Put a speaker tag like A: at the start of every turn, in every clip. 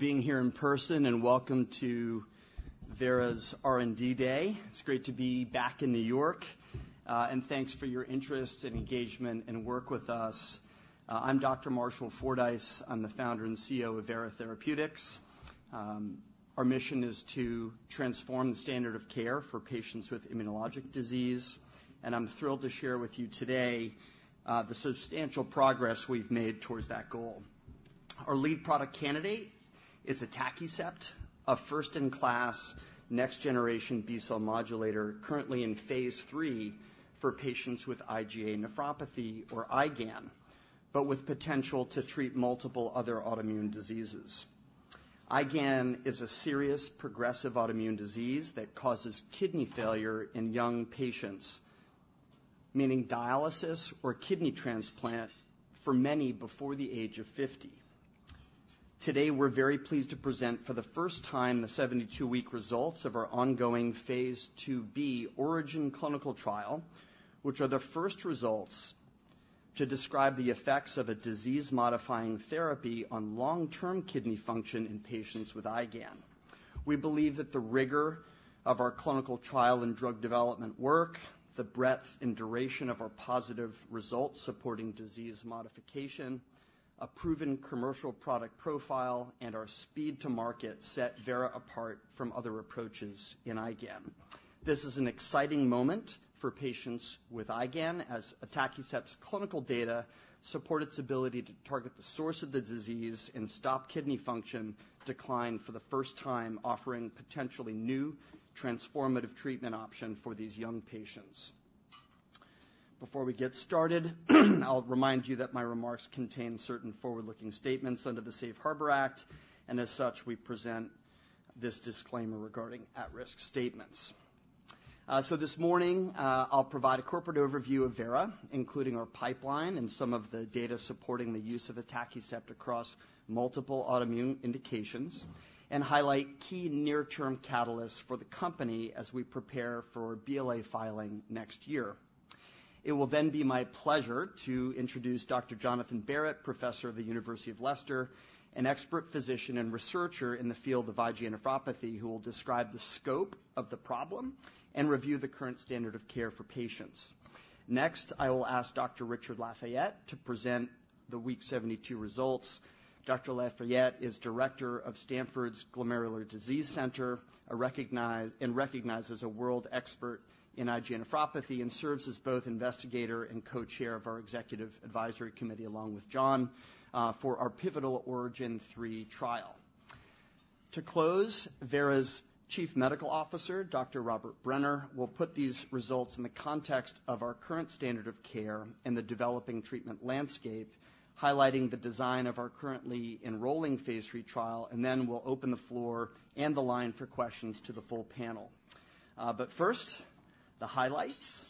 A: being here in person, and welcome to Vera's R&D Day. It's great to be back in New York. Thanks for your interest and engagement and work with us. I'm Dr. Marshall Fordyce. I'm the founder and CEO of Vera Therapeutics. Our mission is to transform the standard of care for patients with immunologic disease, and I'm thrilled to share with you today, the substantial progress we've made towards that goal. Our lead product candidate is atacicept, a first-in-class, next-generation B-cell modulator, currently in Phase III for patients with IgA nephropathy or IgAN, but with potential to treat multiple other autoimmune diseases. IgAN is a serious progressive autoimmune disease that causes kidney failure in young patients, meaning dialysis or kidney transplant for many before the age of 50. Today, we're very pleased to present, for the first time, the 72-week results of our ongoing phase IIb ORIGIN clinical trial, which are the first results to describe the effects of a disease-modifying therapy on long-term kidney function in patients with IgAN. We believe that the rigor of our clinical trial and drug development work, the breadth and duration of our positive results supporting disease modification, a proven commercial product profile, and our speed to market set Vera apart from other approaches in IgAN. This is an exciting moment for patients with IgAN, as atacicept's clinical data support its ability to target the source of the disease and stop kidney function decline for the first time, offering potentially new transformative treatment option for these young patients. Before we get started, I'll remind you that my remarks contain certain forward-looking statements under the Safe Harbor Act, and as such, we present this disclaimer regarding at-risk statements. So this morning, I'll provide a corporate overview of Vera, including our pipeline and some of the data supporting the use of atacicept across multiple autoimmune indications, and highlight key near-term catalysts for the company as we prepare for BLA filing next year. It will then be my pleasure to introduce Dr. Jonathan Barratt, Professor of the University of Leicester, an expert physician and researcher in the field of IgA nephropathy, who will describe the scope of the problem and review the current standard of care for patients. Next, I will ask Dr. Richard Lafayette to present the week 72 results. Dr. Lafayette is Director of Stanford's Glomerular Disease Center, a recognized... Recognized as a world expert in IgA nephropathy and serves as both investigator and co-chair of our executive advisory committee, along with John, for our pivotal ORIGIN 3 trial. To close, Vera's Chief Medical Officer, Dr. Robert Brenner, will put these results in the context of our current standard of care and the developing treatment landscape, highlighting the design of our currently enrolling Phase III trial, and then we'll open the floor and the line for questions to the full panel. But first, the highlights.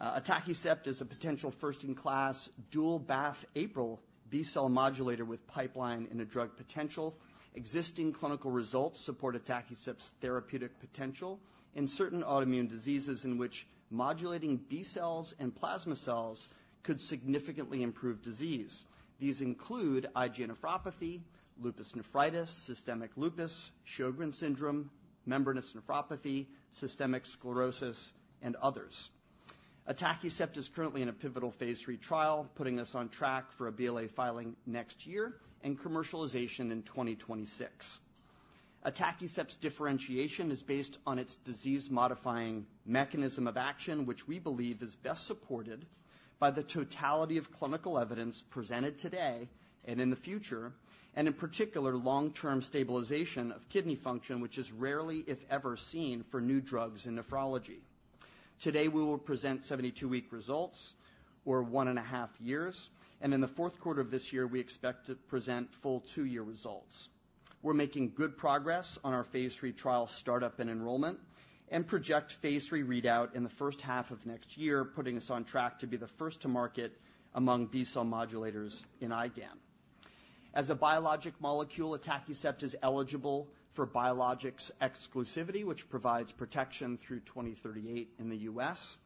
A: Atacicept is a potential first-in-class dual BAFF/APRIL B-cell modulator with pipeline-in-a-drug potential. Existing clinical results support atacicept's therapeutic potential in certain autoimmune diseases in which modulating B-cells and plasma cells could significantly improve disease. These include IgA nephropathy, lupus nephritis, systemic lupus, Sjögren's syndrome, membranous nephropathy, systemic sclerosis, and others. Atacicept is currently in a pivotal phase III trial, putting us on track for a BLA filing next year and commercialization in 2026. Atacicept's differentiation is based on its disease-modifying mechanism of action, which we believe is best supported by the totality of clinical evidence presented today and in the future, and in particular, long-term stabilization of kidney function, which is rarely, if ever, seen for new drugs in nephrology. Today, we will present 72-week results, or one and a half years, and in the fourth quarter of this year, we expect to present full 2-year results. We're making good progress on our phase III trial startup and enrollment and project phase III readout in the first half of next year, putting us on track to be the first to market among B-cell modulators in IgAN. As a biologic molecule, atacicept is eligible for biologics exclusivity, which provides protection through 2038 in the U.S.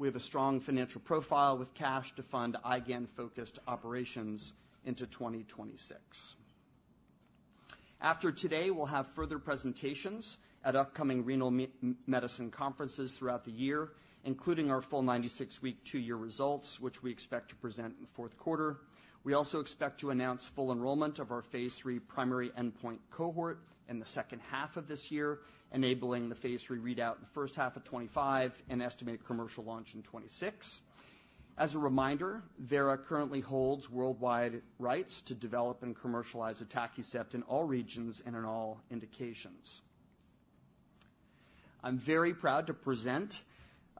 A: We have a strong financial profile with cash to fund IgAN-focused operations into 2026. After today, we'll have further presentations at upcoming renal medicine conferences throughout the year, including our full 96-week, two-year results, which we expect to present in the fourth quarter. We also expect to announce full enrollment of our phase III primary endpoint cohort in the second half of this year, enabling the phase III readout in the first half of 2025 and estimate commercial launch in 2026. As a reminder, Vera currently holds worldwide rights to develop and commercialize atacicept in all regions and in all indications. I'm very proud to present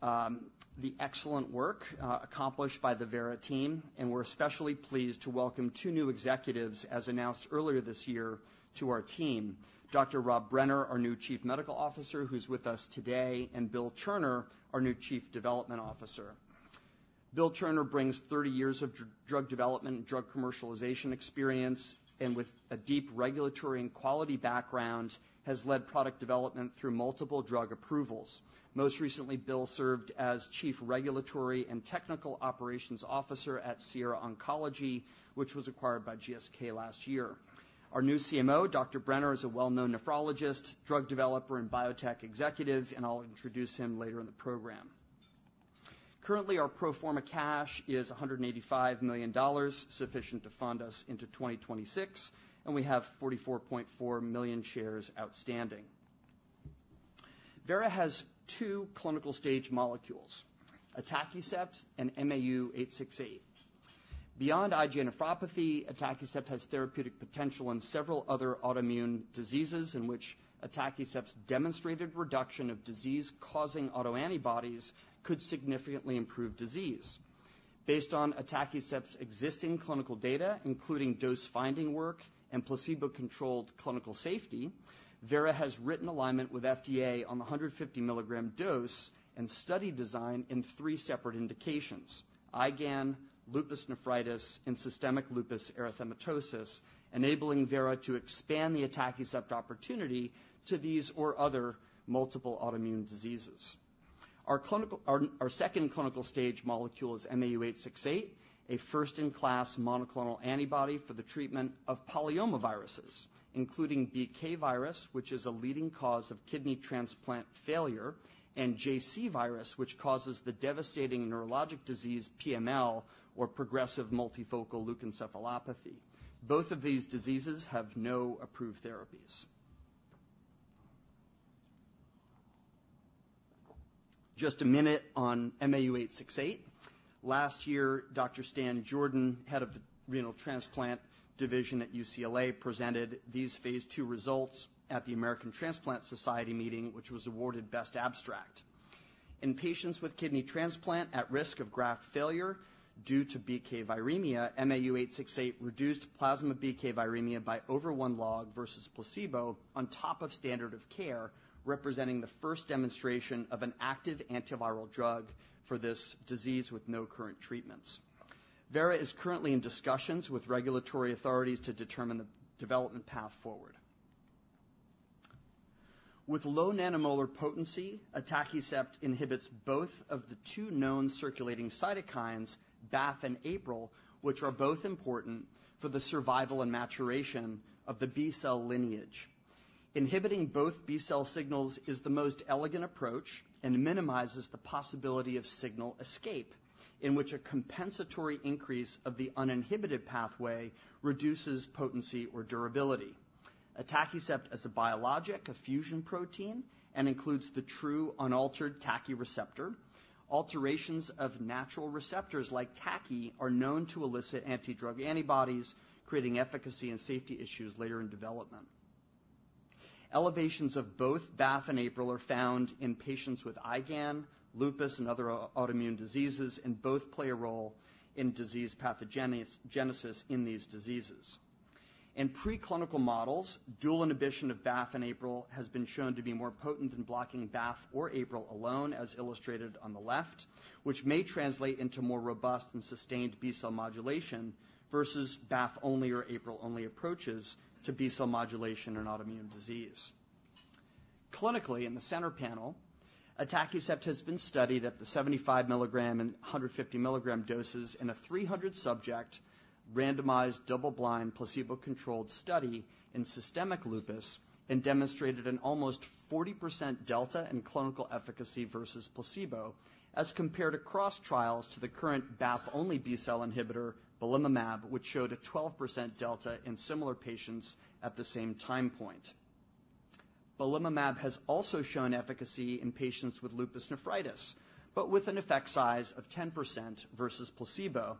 A: the excellent work accomplished by the Vera team, and we're especially pleased to welcome two new executives, as announced earlier this year to our team, Dr. Rob Brenner, our new Chief Medical Officer, who's with us today, and Bill Turner, our new Chief Development Officer. Bill Turner brings 30 years of drug development and drug commercialization experience, and with a deep regulatory and quality background, has led product development through multiple drug approvals. Most recently, Bill served as Chief Regulatory and Technical Operations Officer at Sierra Oncology, which was acquired by GSK last year. Our new CMO, Dr. Brenner, is a well-known nephrologist, drug developer, and biotech executive, and I'll introduce him later in the program. Currently, our pro forma cash is $185 million, sufficient to fund us into 2026, and we have 44.4 million shares outstanding. Vera has two clinical stage molecules, atacicept and MAU868. Beyond IgA nephropathy, atacicept has therapeutic potential in several other autoimmune diseases in which atacicept's demonstrated reduction of disease-causing autoantibodies could significantly improve disease. Based on atacicept's existing clinical data, including dose-finding work and placebo-controlled clinical safety, Vera has written alignment with FDA on the 150 mg dose and study design in three separate indications: IgAN, lupus nephritis, and systemic lupus erythematosus, enabling Vera to expand the atacicept opportunity to these or other multiple autoimmune diseases. Our clinical... Our second clinical stage molecule is MAU868, a first-in-class monoclonal antibody for the treatment of polyomaviruses, including BK virus, which is a leading cause of kidney transplant failure, and JC virus, which causes the devastating neurologic disease PML, or progressive multifocal leukoencephalopathy. Both of these diseases have no approved therapies. Just a minute on MAU868. Last year, Dr. Stan Jordan, head of the Renal Transplant Division at UCLA, presented these phase II results at the American Transplant Society meeting, which was awarded Best Abstract. In patients with kidney transplant at risk of graft failure due to BK viremia, MAU868 reduced plasma BK viremia by over 1 log versus placebo on top of standard of care, representing the first demonstration of an active antiviral drug for this disease with no current treatments. Vera is currently in discussions with regulatory authorities to determine the development path forward. With low nanomolar potency, atacicept inhibits both of the two known circulating cytokines, BAFF and APRIL, which are both important for the survival and maturation of the B cell lineage. Inhibiting both B cell signals is the most elegant approach and minimizes the possibility of signal escape, in which a compensatory increase of the uninhibited pathway reduces potency or durability. Atacicept is a biologic, a fusion protein, and includes the true unaltered TACI receptor. Alterations of natural receptors like TACI are known to elicit anti-drug antibodies, creating efficacy and safety issues later in development. Elevations of both BAFF and APRIL are found in patients with IgAN, lupus, and other autoimmune diseases, and both play a role in disease pathogenesis in these diseases. In preclinical models, dual inhibition of BAFF and APRIL has been shown to be more potent in blocking BAFF or APRIL alone, as illustrated on the left, which may translate into more robust and sustained B cell modulation versus BAFF only or APRIL only approaches to B cell modulation and autoimmune disease. Clinically, in the center panel, atacicept has been studied at the 75 mg and 150 mg doses in a 300-subject, randomized, double-blind, placebo-controlled study in systemic lupus and demonstrated an almost 40% delta in clinical efficacy versus placebo, as compared across trials to the current BAFF only B-cell inhibitor, belimumab, which showed a 12% delta in similar patients at the same time point. Belimumab has also shown efficacy in patients with lupus nephritis, but with an effect size of 10% versus placebo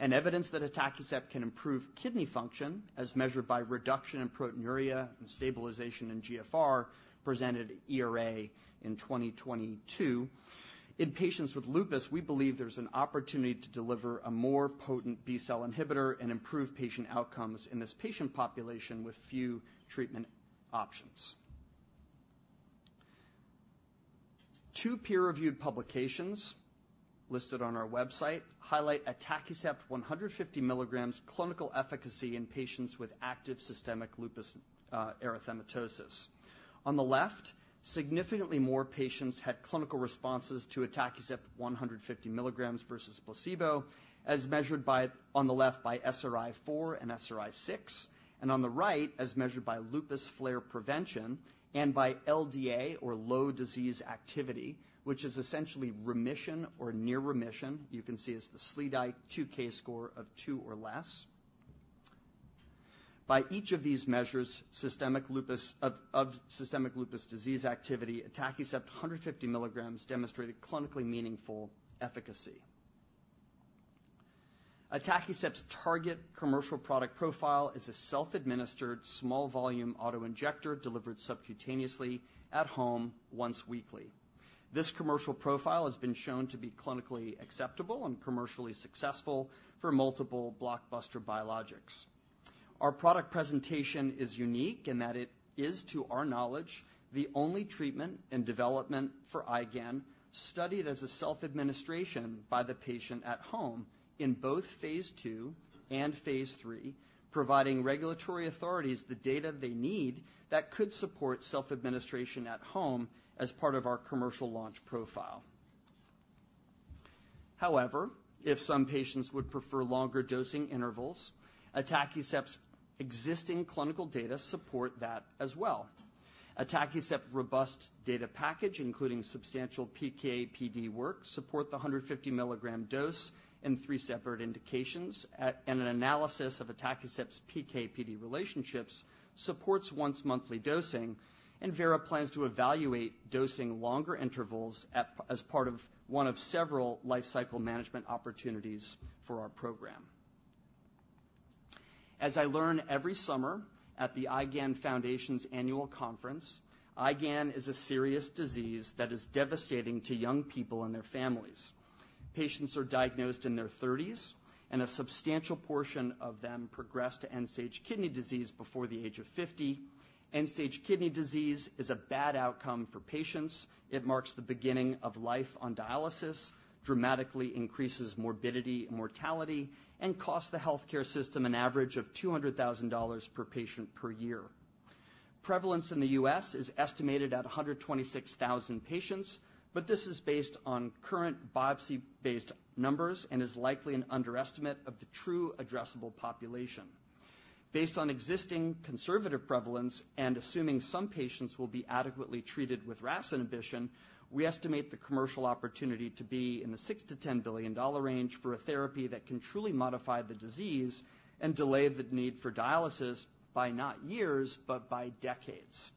A: and evidence that atacicept can improve kidney function as measured by reduction in proteinuria and stabilization in GFR, presented at ERA in 2022. In patients with lupus, we believe there's an opportunity to deliver a more potent B-cell inhibitor and improve patient outcomes in this patient population with few treatment options. Two peer-reviewed publications listed on our website highlight atacicept 150 mg clinical efficacy in patients with active systemic lupus erythematosus. On the left, significantly more patients had clinical responses to atacicept 150 mg versus placebo, as measured by... on the left by SRI-4 and SRI-6, and on the right, as measured by lupus flare prevention and by LDA or low disease activity, which is essentially remission or near remission. You can see it's the SLEDAI-2K score of 2 or less. By each of these measures, systemic lupus disease activity, atacicept 150 mg demonstrated clinically meaningful efficacy. Atacicept's target commercial product profile is a self-administered, small volume auto-injector delivered subcutaneously at home once weekly. This commercial profile has been shown to be clinically acceptable and commercially successful for multiple blockbuster biologics.... Our product presentation is unique in that it is, to our knowledge, the only treatment and development for IgAN, studied as a self-administration by the patient at home in both phase II and phase III, providing regulatory authorities the data they need that could support self-administration at home as part of our commercial launch profile. However, if some patients would prefer longer dosing intervals, atacicept's existing clinical data support that as well. Atacicept's robust data package, including substantial PK/PD work, support the 150 mg dose in three separate indications. And an analysis of atacicept's PK/PD relationships supports once monthly dosing, and Vera plans to evaluate dosing longer intervals at, as part of one of several lifecycle management opportunities for our program. As I learn every summer at the IgAN Foundation's annual conference, IgAN is a serious disease that is devastating to young people and their families. Patients are diagnosed in their thirties, and a substantial portion of them progress to end-stage kidney disease before the age of 50. End-stage kidney disease is a bad outcome for patients. It marks the beginning of life on dialysis, dramatically increases morbidity and mortality, and costs the healthcare system an average of $200,000 per patient per year. Prevalence in the U.S. is estimated at 126,000 patients, but this is based on current biopsy-based numbers and is likely an underestimate of the true addressable population. Based on existing conservative prevalence and assuming some patients will be adequately treated with RAS inhibition, we estimate the commercial opportunity to be in the $6 billion-$10 billion range for a therapy that can truly modify the disease, and delay the need for dialysis by not years, but by decades.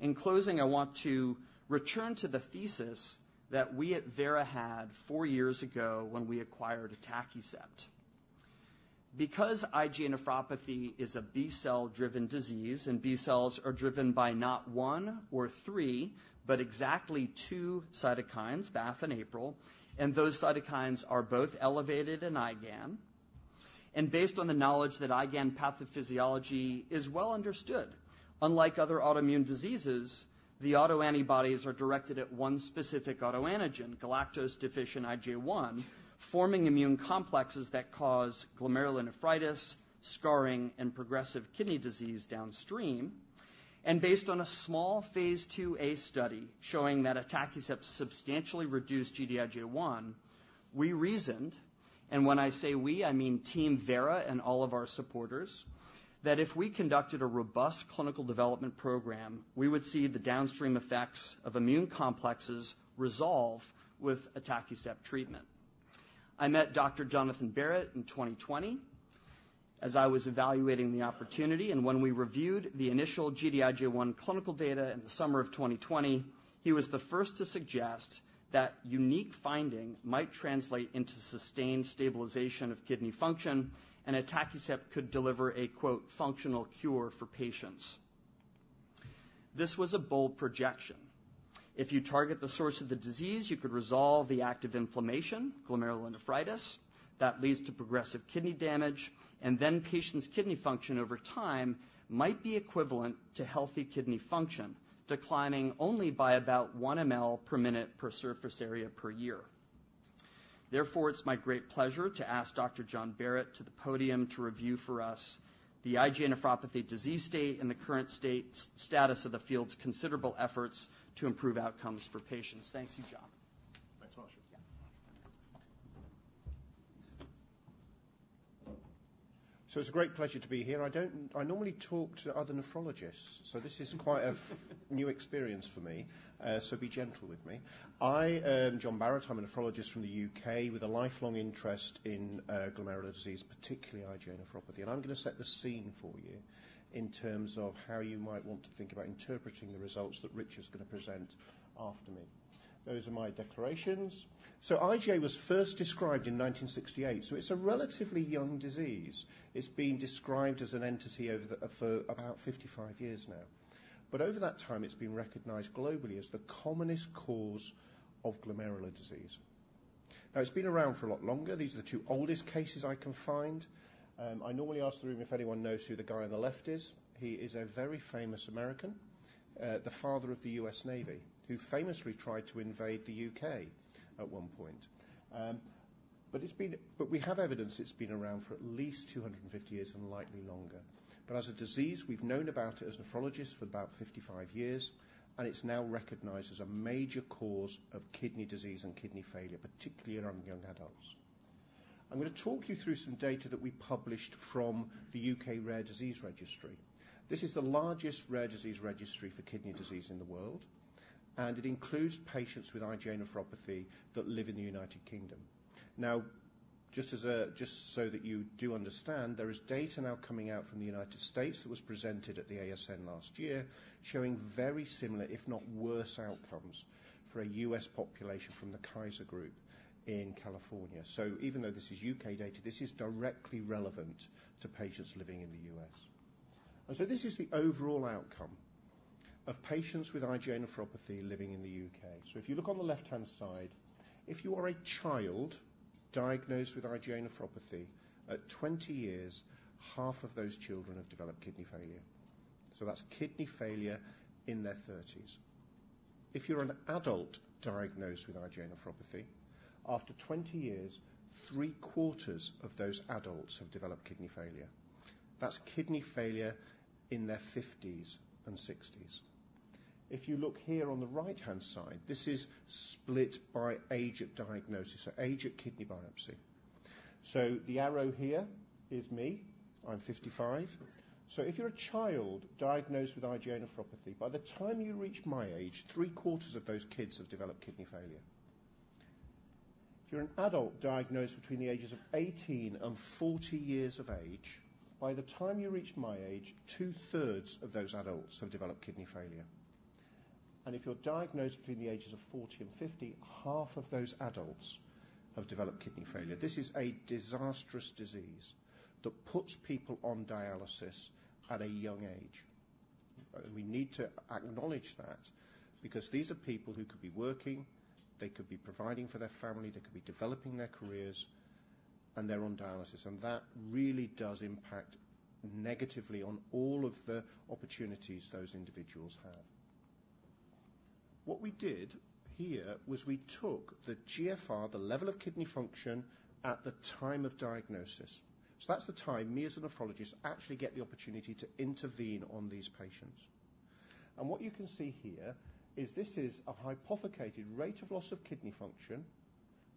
A: In closing, I want to return to the thesis that we at Vera had four years ago when we acquired atacicept. Because IgA nephropathy is a B cell-driven disease, and B cells are driven by not one or three, but exactly two cytokines, BAFF and APRIL, and those cytokines are both elevated in IgAN. Based on the knowledge that IgAN pathophysiology is well understood. Unlike other autoimmune diseases, the autoantibodies are directed at one specific autoantigen, galactose-deficient IgA1, forming immune complexes that cause glomerulonephritis, scarring, and progressive kidney disease downstream. Based on a small phase IIa study showing that atacicept substantially reduced Gd-IgA1, we reasoned, and when I say we, I mean Team Vera and all of our supporters, that if we conducted a robust clinical development program, we would see the downstream effects of immune complexes resolve with atacicept treatment. I met Dr. Jonathan Barratt in 2020 as I was evaluating the opportunity, and when we reviewed the initial Gd-IgA1 clinical data in the summer of 2020, he was the first to suggest that unique finding might translate into sustained stabilization of kidney function, and atacicept could deliver a, quote, "functional cure for patients." This was a bold projection. If you target the source of the disease, you could resolve the active inflammation, glomerulonephritis, that leads to progressive kidney damage, and then patient's kidney function over time might be equivalent to healthy kidney function, declining only by about 1 mL per minute per surface area per year. Therefore, it's my great pleasure to ask Dr. Jonathan Barratt to the podium to review for us the IgA nephropathy disease state and the current status of the field's considerable efforts to improve outcomes for patients. Thank you, John.
B: Thanks, Marshall.
A: Yeah.
B: So it's a great pleasure to be here. I don't... I normally talk to other nephrologists, so this is quite a new experience for me. So be gentle with me. I am Jonathan Barratt. I'm a nephrologist from the U.K. with a lifelong interest in glomerular disease, particularly IgA nephropathy. I'm gonna set the scene for you in terms of how you might want to think about interpreting the results that Richard's gonna present after me. Those are my declarations. So IgA was first described in 1968, so it's a relatively young disease. It's been described as an entity over the—for about 55 years now. But over that time, it's been recognized globally as the commonest cause of glomerular disease. Now, it's been around for a lot longer. These are the two oldest cases I can find. I normally ask the room if anyone knows who the guy on the left is. He is a very famous American, the father of the U.S. Navy, who famously tried to invade the U.K. at one point. But we have evidence it's been around for at least 250 years and likely longer. But as a disease, we've known about it as nephrologists for about 55 years, and it's now recognized as a major cause of kidney disease and kidney failure, particularly around young adults. I'm gonna talk you through some data that we published from the U.K. Rare Disease Registry. This is the largest rare disease registry for kidney disease in the world, and it includes patients with IgA nephropathy that live in the United Kingdom. Now, just as a, just so that you do understand, there is data now coming out from the United States that was presented at the ASN last year, showing very similar, if not worse, outcomes for a U.S. population from the Kaiser Permanente in California. So even though this is U.K. data, this is directly relevant to patients living in the U.S. And so this is the overall outcome of patients with IgA nephropathy living in the U.K. So if you look on the left-hand side, if you are a child diagnosed with IgA nephropathy, at 20 years, half of those children have developed kidney failure. So that's kidney failure in their thirties. If you're an adult diagnosed with IgA nephropathy, after 20 years, three-quarters of those adults have developed kidney failure. That's kidney failure in their fifties and sixties. If you look here on the right-hand side, this is split by age at diagnosis, or age at kidney biopsy. So the arrow here is me. I'm 55. So if you're a child diagnosed with IgA nephropathy, by the time you reach my age, 3/4 of those kids have developed kidney failure. If you're an adult diagnosed between the ages of 18 and 40 years of age, by the time you reach my age, 2/3 of those adults have developed kidney failure. And if you're diagnosed between the ages of 40 and 50, 1/2 of those adults have developed kidney failure. This is a disastrous disease that puts people on dialysis at a young age. We need to acknowledge that because these are people who could be working, they could be providing for their family, they could be developing their careers, and they're on dialysis, and that really does impact negatively on all of the opportunities those individuals have. What we did here was we took the GFR, the level of kidney function at the time of diagnosis. So that's the time me, as a nephrologist, actually get the opportunity to intervene on these patients. And what you can see here is this is a hypothetical rate of loss of kidney function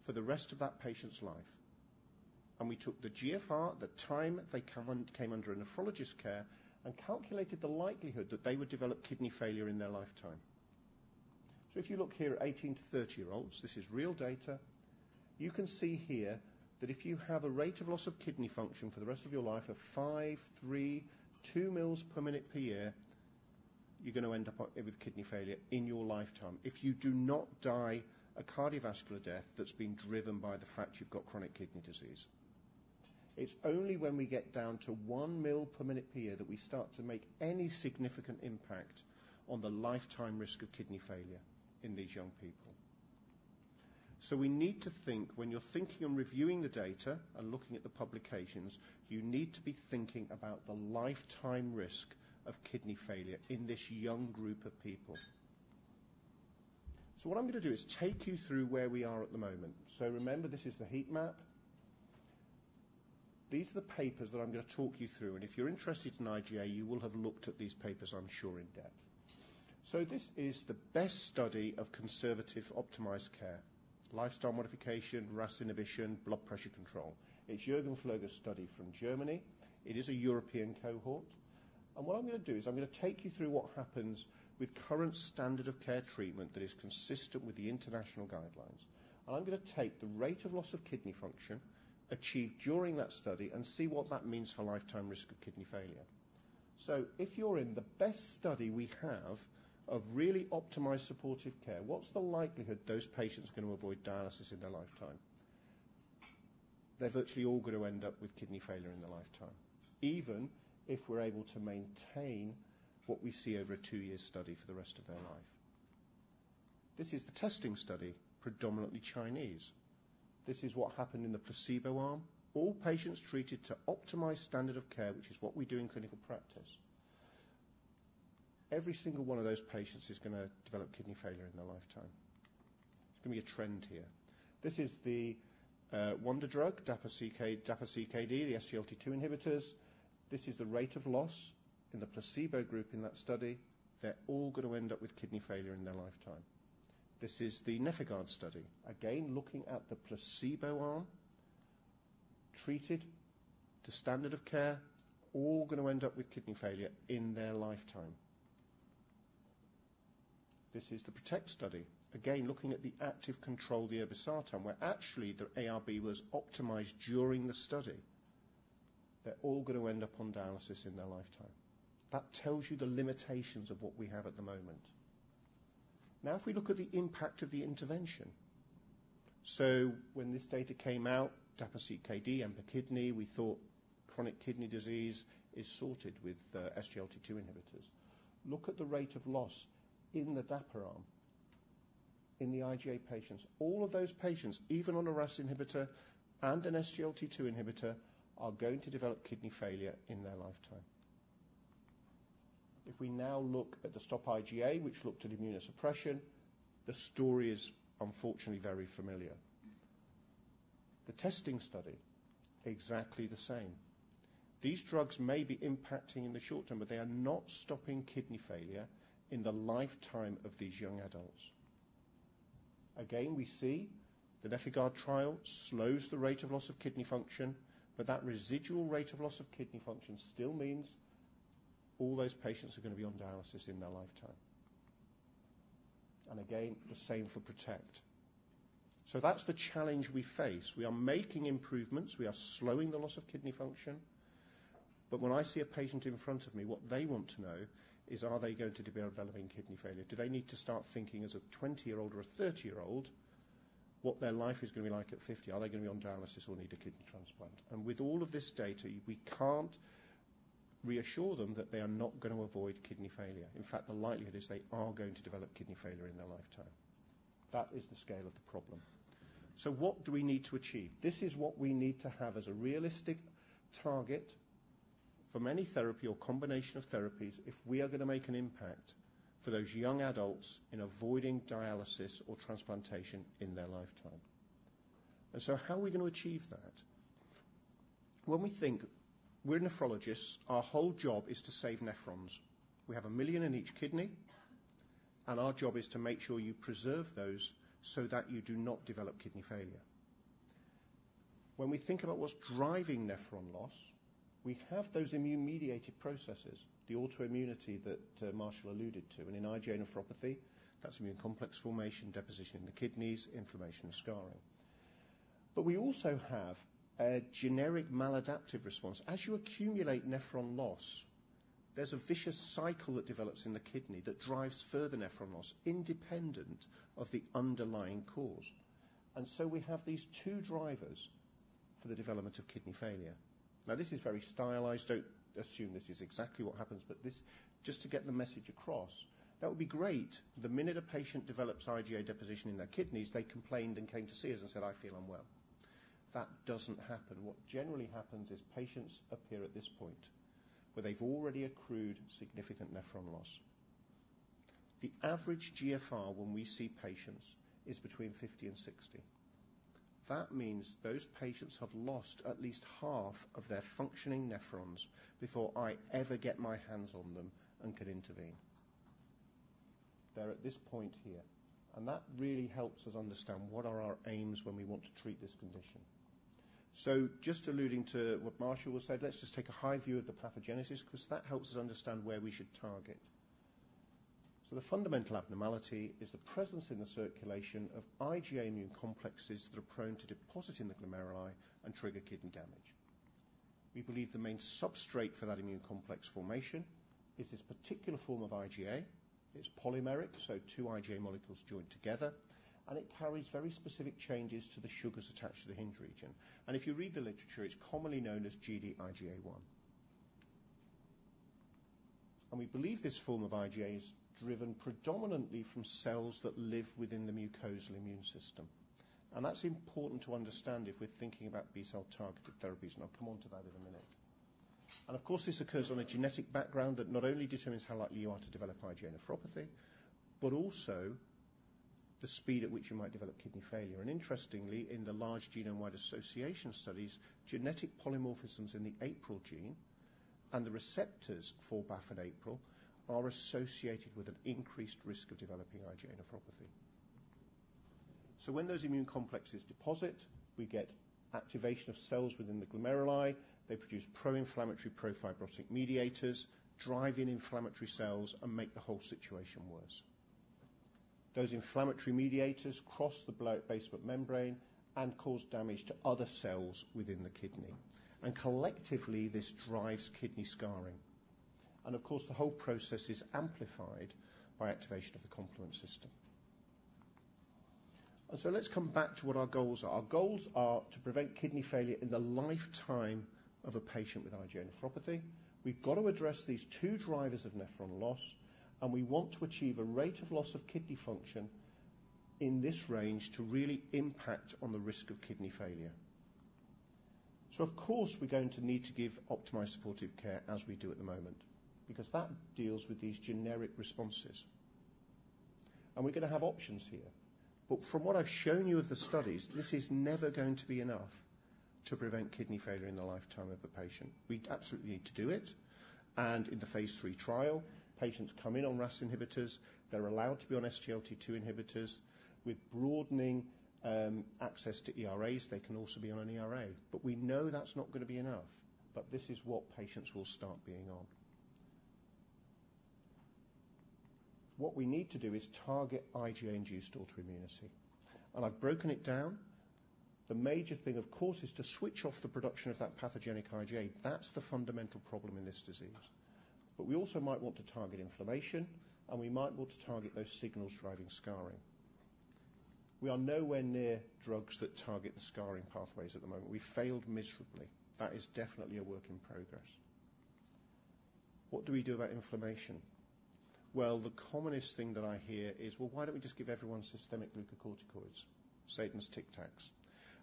B: for the rest of that patient's life. And we took the GFR, the time they came under a nephrologist care, and calculated the likelihood that they would develop kidney failure in their lifetime. So if you look here, at 18-30-year-olds, this is real data. You can see here that if you have a rate of loss of kidney function for the rest of your life of 5 ml, 3 ml, 2 ml per minute per year, you're gonna end up with kidney failure in your lifetime if you do not die a cardiovascular death that's been driven by the fact you've got chronic kidney disease. It's only when we get down to 1 ml per minute per year that we start to make any significant impact on the lifetime risk of kidney failure in these young people. So we need to think, when you're thinking and reviewing the data and looking at the publications, you need to be thinking about the lifetime risk of kidney failure in this young group of people. So what I'm gonna do is take you through where we are at the moment. So remember, this is the heat map. These are the papers that I'm gonna talk you through, and if you're interested in IgA, you will have looked at these papers, I'm sure, in depth. So this is the best study of conservative, optimized care, lifestyle modification, RAS inhibition, blood pressure control. It's Jürgen Floege study from Germany. It is a European cohort. And what I'm gonna do is I'm gonna take you through what happens with current standard of care treatment that is consistent with the international guidelines. And I'm gonna take the rate of loss of kidney function achieved during that study and see what that means for lifetime risk of kidney failure. So if you're in the best study we have of really optimized supportive care, what's the likelihood those patients are going to avoid dialysis in their lifetime? They're virtually all going to end up with kidney failure in their lifetime, even if we're able to maintain what we see over a 2-year study for the rest of their life. This is the TESTING study, predominantly Chinese. This is what happened in the placebo arm. All patients treated to optimized standard of care, which is what we do in clinical practice. Every single one of those patients is gonna develop kidney failure in their lifetime. There's gonna be a trend here. This is the wonder drug, DAPA-CKD, the SGLT2 inhibitors. This is the rate of loss in the placebo group in that study. They're all gonna end up with kidney failure in their lifetime. This is the NefIgArd study. Again, looking at the placebo arm, treated to standard of care, all gonna end up with kidney failure in their lifetime. This is the PROTECT study. Again, looking at the active control, the irbesartan, where actually the ARB was optimized during the study. They're all gonna end up on dialysis in their lifetime. That tells you the limitations of what we have at the moment. Now, if we look at the impact of the intervention. So when this data came out, DAPA-CKD and the kidney, we thought chronic kidney disease is sorted with the SGLT2 inhibitors. Look at the rate of loss in the DAPA arm in the IgA patients. All of those patients, even on a RAS inhibitor and an SGLT2 inhibitor, are going to develop kidney failure in their lifetime. If we now look at the STOP-IgA, which looked at immunosuppression, the story is unfortunately very familiar. The TESTING study, exactly the same. These drugs may be impacting in the short term, but they are not stopping kidney failure in the lifetime of these young adults. Again, we see the NefIgArd trial slows the rate of loss of kidney function, but that residual rate of loss of kidney function still means all those patients are gonna be on dialysis in their lifetime. Again, the same for PROTECT. So that's the challenge we face. We are making improvements, we are slowing the loss of kidney function. But when I see a patient in front of me, what they want to know is, are they going to be developing kidney failure? Do they need to start thinking as a 20-year-old or a 30-year-old... what their life is going to be like at 50. Are they going to be on dialysis or need a kidney transplant? With all of this data, we can't reassure them that they are not going to avoid kidney failure. In fact, the likelihood is they are going to develop kidney failure in their lifetime. That is the scale of the problem. What do we need to achieve? This is what we need to have as a realistic target for many therapy or combination of therapies if we are going to make an impact for those young adults in avoiding dialysis or transplantation in their lifetime. How are we going to achieve that? When we think, we're nephrologists, our whole job is to save nephrons. We have 1 million in each kidney, and our job is to make sure you preserve those so that you do not develop kidney failure. When we think about what's driving nephron loss, we have those immune-mediated processes, the autoimmunity that Marshall alluded to. And in IgA nephropathy, that's immune complex formation, deposition in the kidneys, inflammation, and scarring. But we also have a generic maladaptive response. As you accumulate nephron loss, there's a vicious cycle that develops in the kidney that drives further nephron loss independent of the underlying cause, and so we have these two drivers for the development of kidney failure. Now, this is very stylized. Don't assume this is exactly what happens, but this just to get the message across. That would be great, the minute a patient develops IgA deposition in their kidneys, they complained and came to see us and said, "I feel unwell." That doesn't happen. What generally happens is patients appear at this point, where they've already accrued significant nephron loss. The average GFR when we see patients is between 50 and 60. That means those patients have lost at least half of their functioning nephrons before I ever get my hands on them and can intervene. They're at this point here, and that really helps us understand what are our aims when we want to treat this condition. So just alluding to what Marshall said, let's just take a high view of the pathogenesis 'cause that helps us understand where we should target. So the fundamental abnormality is the presence in the circulation of IgA immune complexes that are prone to deposit in the glomeruli and trigger kidney damage. We believe the main substrate for that immune complex formation is this particular form of IgA. It's polymeric, so 2 IgA molecules joined together, and it carries very specific changes to the sugars attached to the hinge region. If you read the literature, it's commonly known as Gd-IgA1. We believe this form of IgA is driven predominantly from cells that live within the mucosal immune system, and that's important to understand if we're thinking about B-cell-targeted therapies, and I'll come on to that in a minute. Of course, this occurs on a genetic background that not only determines how likely you are to develop IgA nephropathy but also the speed at which you might develop kidney failure. Interestingly, in the large genome-wide association studies, genetic polymorphisms in the APRIL gene and the receptors for BAFF and APRIL are associated with an increased risk of developing IgA nephropathy. So when those immune complexes deposit, we get activation of cells within the glomeruli. They produce pro-inflammatory, pro-fibrotic mediators, drive in inflammatory cells, and make the whole situation worse. Those inflammatory mediators cross the basement membrane and cause damage to other cells within the kidney, and collectively, this drives kidney scarring. Of course, the whole process is amplified by activation of the complement system. So let's come back to what our goals are. Our goals are to prevent kidney failure in the lifetime of a patient with IgA nephropathy. We've got to address these two drivers of nephron loss, and we want to achieve a rate of loss of kidney function in this range to really impact on the risk of kidney failure. So of course, we're going to need to give optimized supportive care as we do at the moment, because that deals with these generic responses, and we're gonna have options here. But from what I've shown you of the studies, this is never going to be enough to prevent kidney failure in the lifetime of the patient. We absolutely need to do it, and in the phase III trial, patients come in on RAS inhibitors, they're allowed to be on SGLT2 inhibitors. We're broadening access to ERAs. They can also be on an ERA, but we know that's not gonna be enough, but this is what patients will start being on. What we need to do is target IgA-induced autoimmunity, and I've broken it down. The major thing, of course, is to switch off the production of that pathogenic IgA. That's the fundamental problem in this disease. But we also might want to target inflammation, and we might want to target those signals driving scarring. We are nowhere near drugs that target the scarring pathways at the moment. We failed miserably. That is definitely a work in progress. What do we do about inflammation? Well, the commonest thing that I hear is, "Well, why don't we just give everyone systemic glucocorticoids?" Satan's Tic Tacs.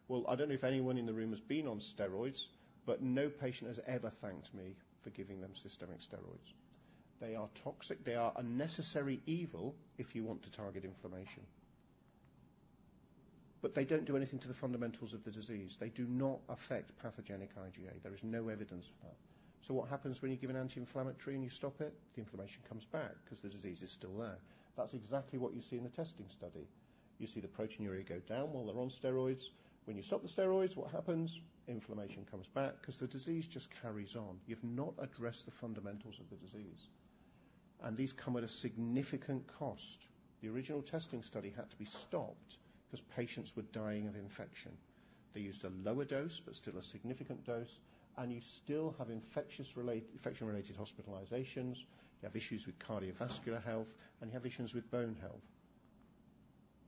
B: Well, I don't know if anyone in the room has been on steroids, but no patient has ever thanked me for giving them systemic steroids. They are toxic. They are a necessary evil if you want to target inflammation, but they don't do anything to the fundamentals of the disease. They do not affect pathogenic IgA. There is no evidence for that. So what happens when you give an anti-inflammatory and you stop it? The inflammation comes back 'cause the disease is still there. That's exactly what you see in the TESTING study. You see the proteinuria go down while they're on steroids. When you stop the steroids, what happens? Inflammation comes back 'cause the disease just carries on. You've not addressed the fundamentals of the disease, and these come at a significant cost. The original testing study had to be stopped 'cause patients were dying of infection. They used a lower dose, but still a significant dose, and you still have infection-related hospitalizations, you have issues with cardiovascular health, and you have issues with bone health.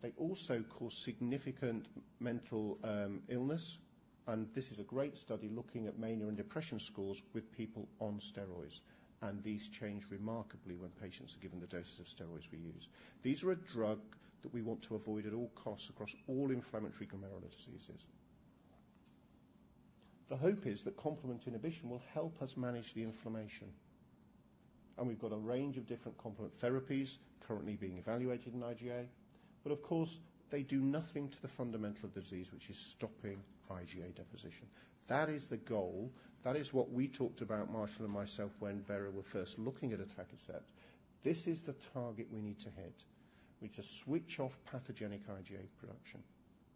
B: They also cause significant mental illness, and this is a great study looking at mania and depression scores with people on steroids. These change remarkably when patients are given the doses of steroids we use. These are a drug that we want to avoid at all costs across all inflammatory glomerular diseases. The hope is that complement inhibition will help us manage the inflammation, and we've got a range of different complement therapies currently being evaluated in IgA. But of course, they do nothing to the fundamental of the disease, which is stopping IgA deposition. That is the goal. That is what we talked about, Marshall and myself, when Vera were first looking at atacicept. This is the target we need to hit, which is switch off pathogenic IgA production,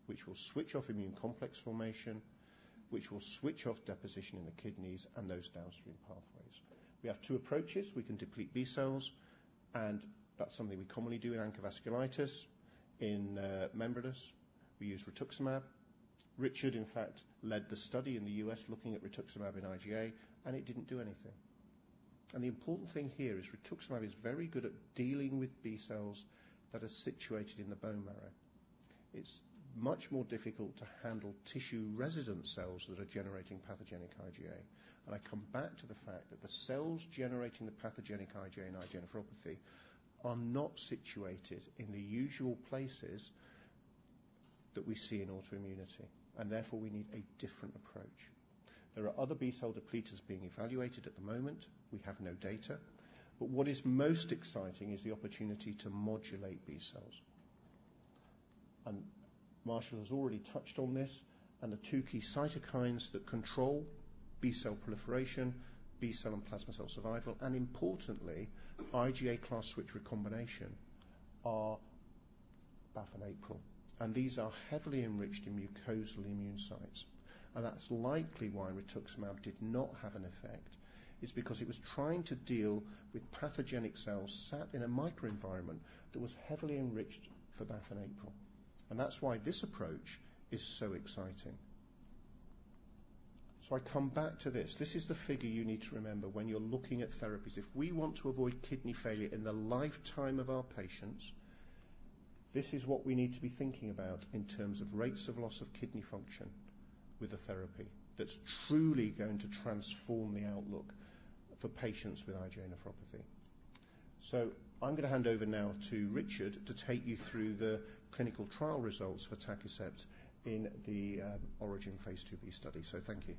B: which will switch off immune complex formation, which will switch off deposition in the kidneys and those downstream pathways. We have two approaches. We can deplete B cells, and that's something we commonly do in ANCA vasculitis. In membranous, we use rituximab. Richard, in fact, led the study in the U.S. looking at rituximab in IgA, and it didn't do anything. And the important thing here is rituximab is very good at dealing with B cells that are situated in the bone marrow. It's much more difficult to handle tissue-resident cells that are generating pathogenic IgA. I come back to the fact that the cells generating the pathogenic IgA in IgA nephropathy are not situated in the usual places that we see in autoimmunity, and therefore, we need a different approach. There are other B cell depleters being evaluated at the moment. We have no data, but what is most exciting is the opportunity to modulate B cells. Marshall has already touched on this, and the two key cytokines that control B cell proliferation, B cell and plasma cell survival, and importantly, IgA class switch recombination are BAFF and APRIL, and these are heavily enriched in mucosal immune sites. That's likely why rituximab did not have an effect, is because it was trying to deal with pathogenic cells sat in a microenvironment that was heavily enriched for BAFF and APRIL. That's why this approach is so exciting. So I come back to this. This is the figure you need to remember when you're looking at therapies. If we want to avoid kidney failure in the lifetime of our patients, this is what we need to be thinking about in terms of rates of loss of kidney function with a therapy that's truly going to transform the outlook for patients with IgA nephropathy. So I'm gonna hand over now to Richard to take you through the clinical trial results for atacicept in the ORIGIN Phase IIb study. So thank you.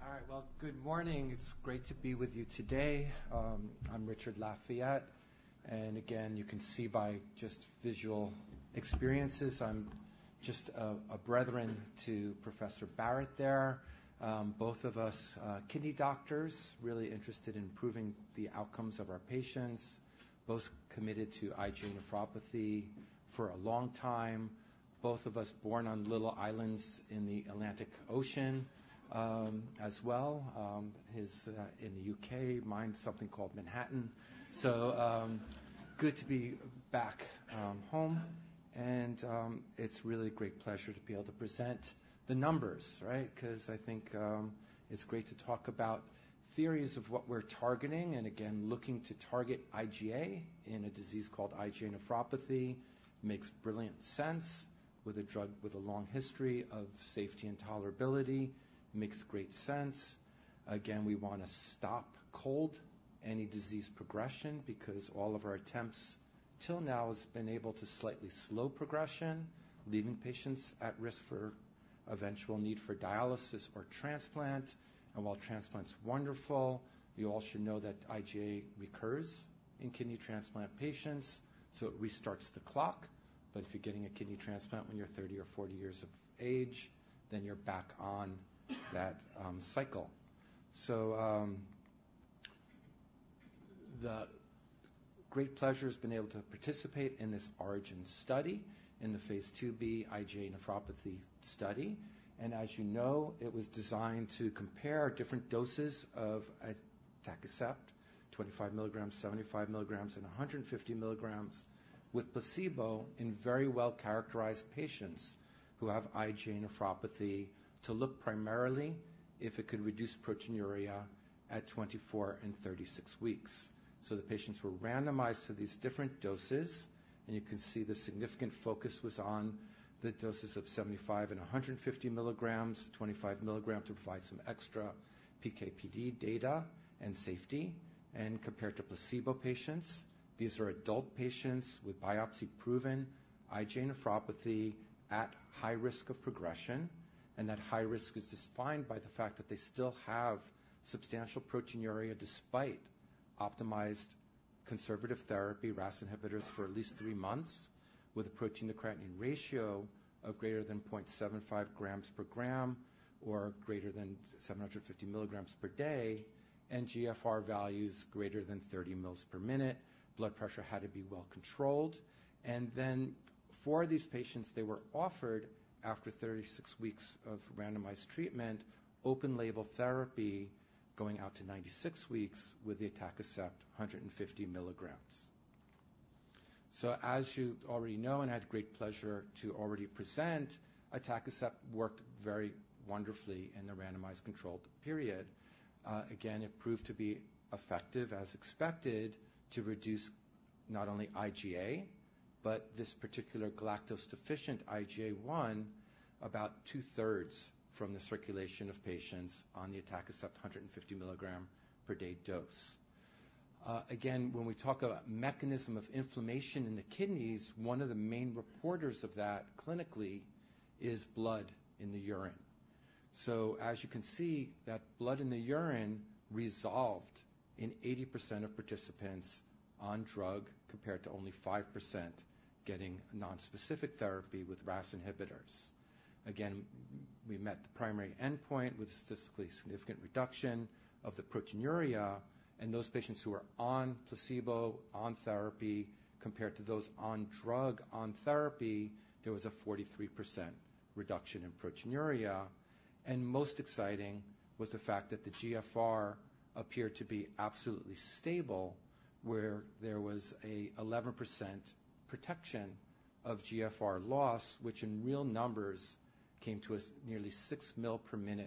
C: All right. Well, good morning. It's great to be with you today. I'm Richard Lafayette, and again, you can see by just visual experiences, I'm just a, a brethren to Professor Barratt there. Both of us, kidney doctors, really interested in improving the outcomes of our patients, both committed to IgA nephropathy for a long time, both of us born on little islands in the Atlantic Ocean, as well. His, in the UK, mine's something called Manhattan. So, good to be back, home, and, it's really a great pleasure to be able to present the numbers, right? 'Cause I think, it's great to talk about theories of what we're targeting, and again, looking to target IgA in a disease called IgA nephropathy makes brilliant sense with a drug with a long history of safety, and tolerability makes great sense. Again, we wanna stop cold any disease progression, because all of our attempts till now has been able to slightly slow progression, leaving patients at risk for eventual need for dialysis or transplant. And while transplant's wonderful, you all should know that IgA recurs in kidney transplant patients, so it restarts the clock. But if you're getting a kidney transplant when you're 30 or 40 years of age, then you're back on that cycle. So, the great pleasure has been able to participate in this ORIGIN study, in the phase IIb IgA nephropathy study, and as you know, it was designed to compare different doses of atacicept, 25 milligrams, 75 mg, and 150 mg with placebo in very well-characterized patients who have IgA nephropathy, to look primarily if it could reduce proteinuria at 24 and 36 weeks. So the patients were randomized to these different doses, and you can see the significant focus was on the doses of 75 mg and 150 mg, 25 mg to provide some extra PK/PD data and safety and compared to placebo patients. These are adult patients with biopsy-proven IgA nephropathy at high risk of progression, and that high risk is defined by the fact that they still have substantial proteinuria despite optimized conservative therapy, RAS inhibitors, for at least three months, with a protein to creatinine ratio of greater than 0.75 g/g or greater than 750 mg/day, and GFR values greater than 30 mL/min. Blood pressure had to be well controlled. And then for these patients, they were offered, after 36 weeks of randomized treatment, open-label therapy-... Going out to 96 weeks with the atacicept 150 mg. So as you already know, and had great pleasure to already present, atacicept worked very wonderfully in the randomized controlled period. Again, it proved to be effective as expected, to reduce not only IgA, but this particular galactose-deficient IgA1, about two-thirds from the circulation of patients on the atacicept 150 mg per day dose. Again, when we talk about mechanism of inflammation in the kidneys, one of the main reporters of that clinically is blood in the urine. So as you can see, that blood in the urine resolved in 80% of participants on drug, compared to only 5% getting non-specific therapy with RAS inhibitors. Again, we met the primary endpoint with statistically significant reduction of the proteinuria, and those patients who were on placebo, on therapy, compared to those on drug, on therapy, there was a 43% reduction in proteinuria. Most exciting was the fact that the GFR appeared to be absolutely stable, where there was an 11% protection of GFR loss, which in real numbers came to a nearly 6 ml/min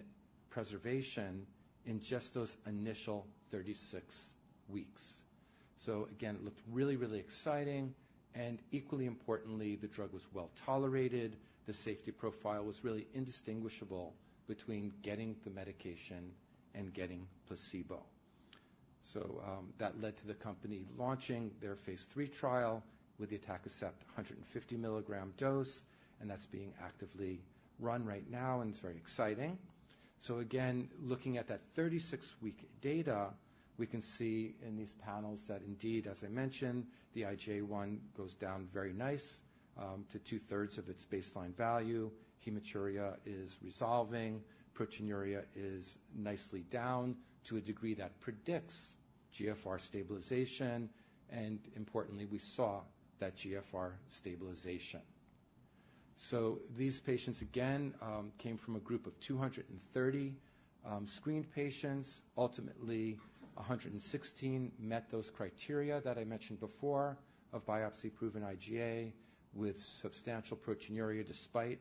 C: preservation in just those initial 36 weeks. So again, it looked really, really exciting, and equally importantly, the drug was well tolerated. The safety profile was really indistinguishable between getting the medication and getting placebo. So, that led to the company launching their phase III trial with the atacicept 150 mg dose, and that's being actively run right now, and it's very exciting. So again, looking at that 36-week data, we can see in these panels that indeed, as I mentioned, the IgA1 goes down very nice, to two-thirds of its baseline value. Hematuria is resolving, proteinuria is nicely down to a degree that predicts GFR stabilization, and importantly, we saw that GFR stabilization. So these patients, again, came from a group of 230 screened patients. Ultimately, 116 met those criteria that I mentioned before of biopsy-proven IgA with substantial proteinuria, despite,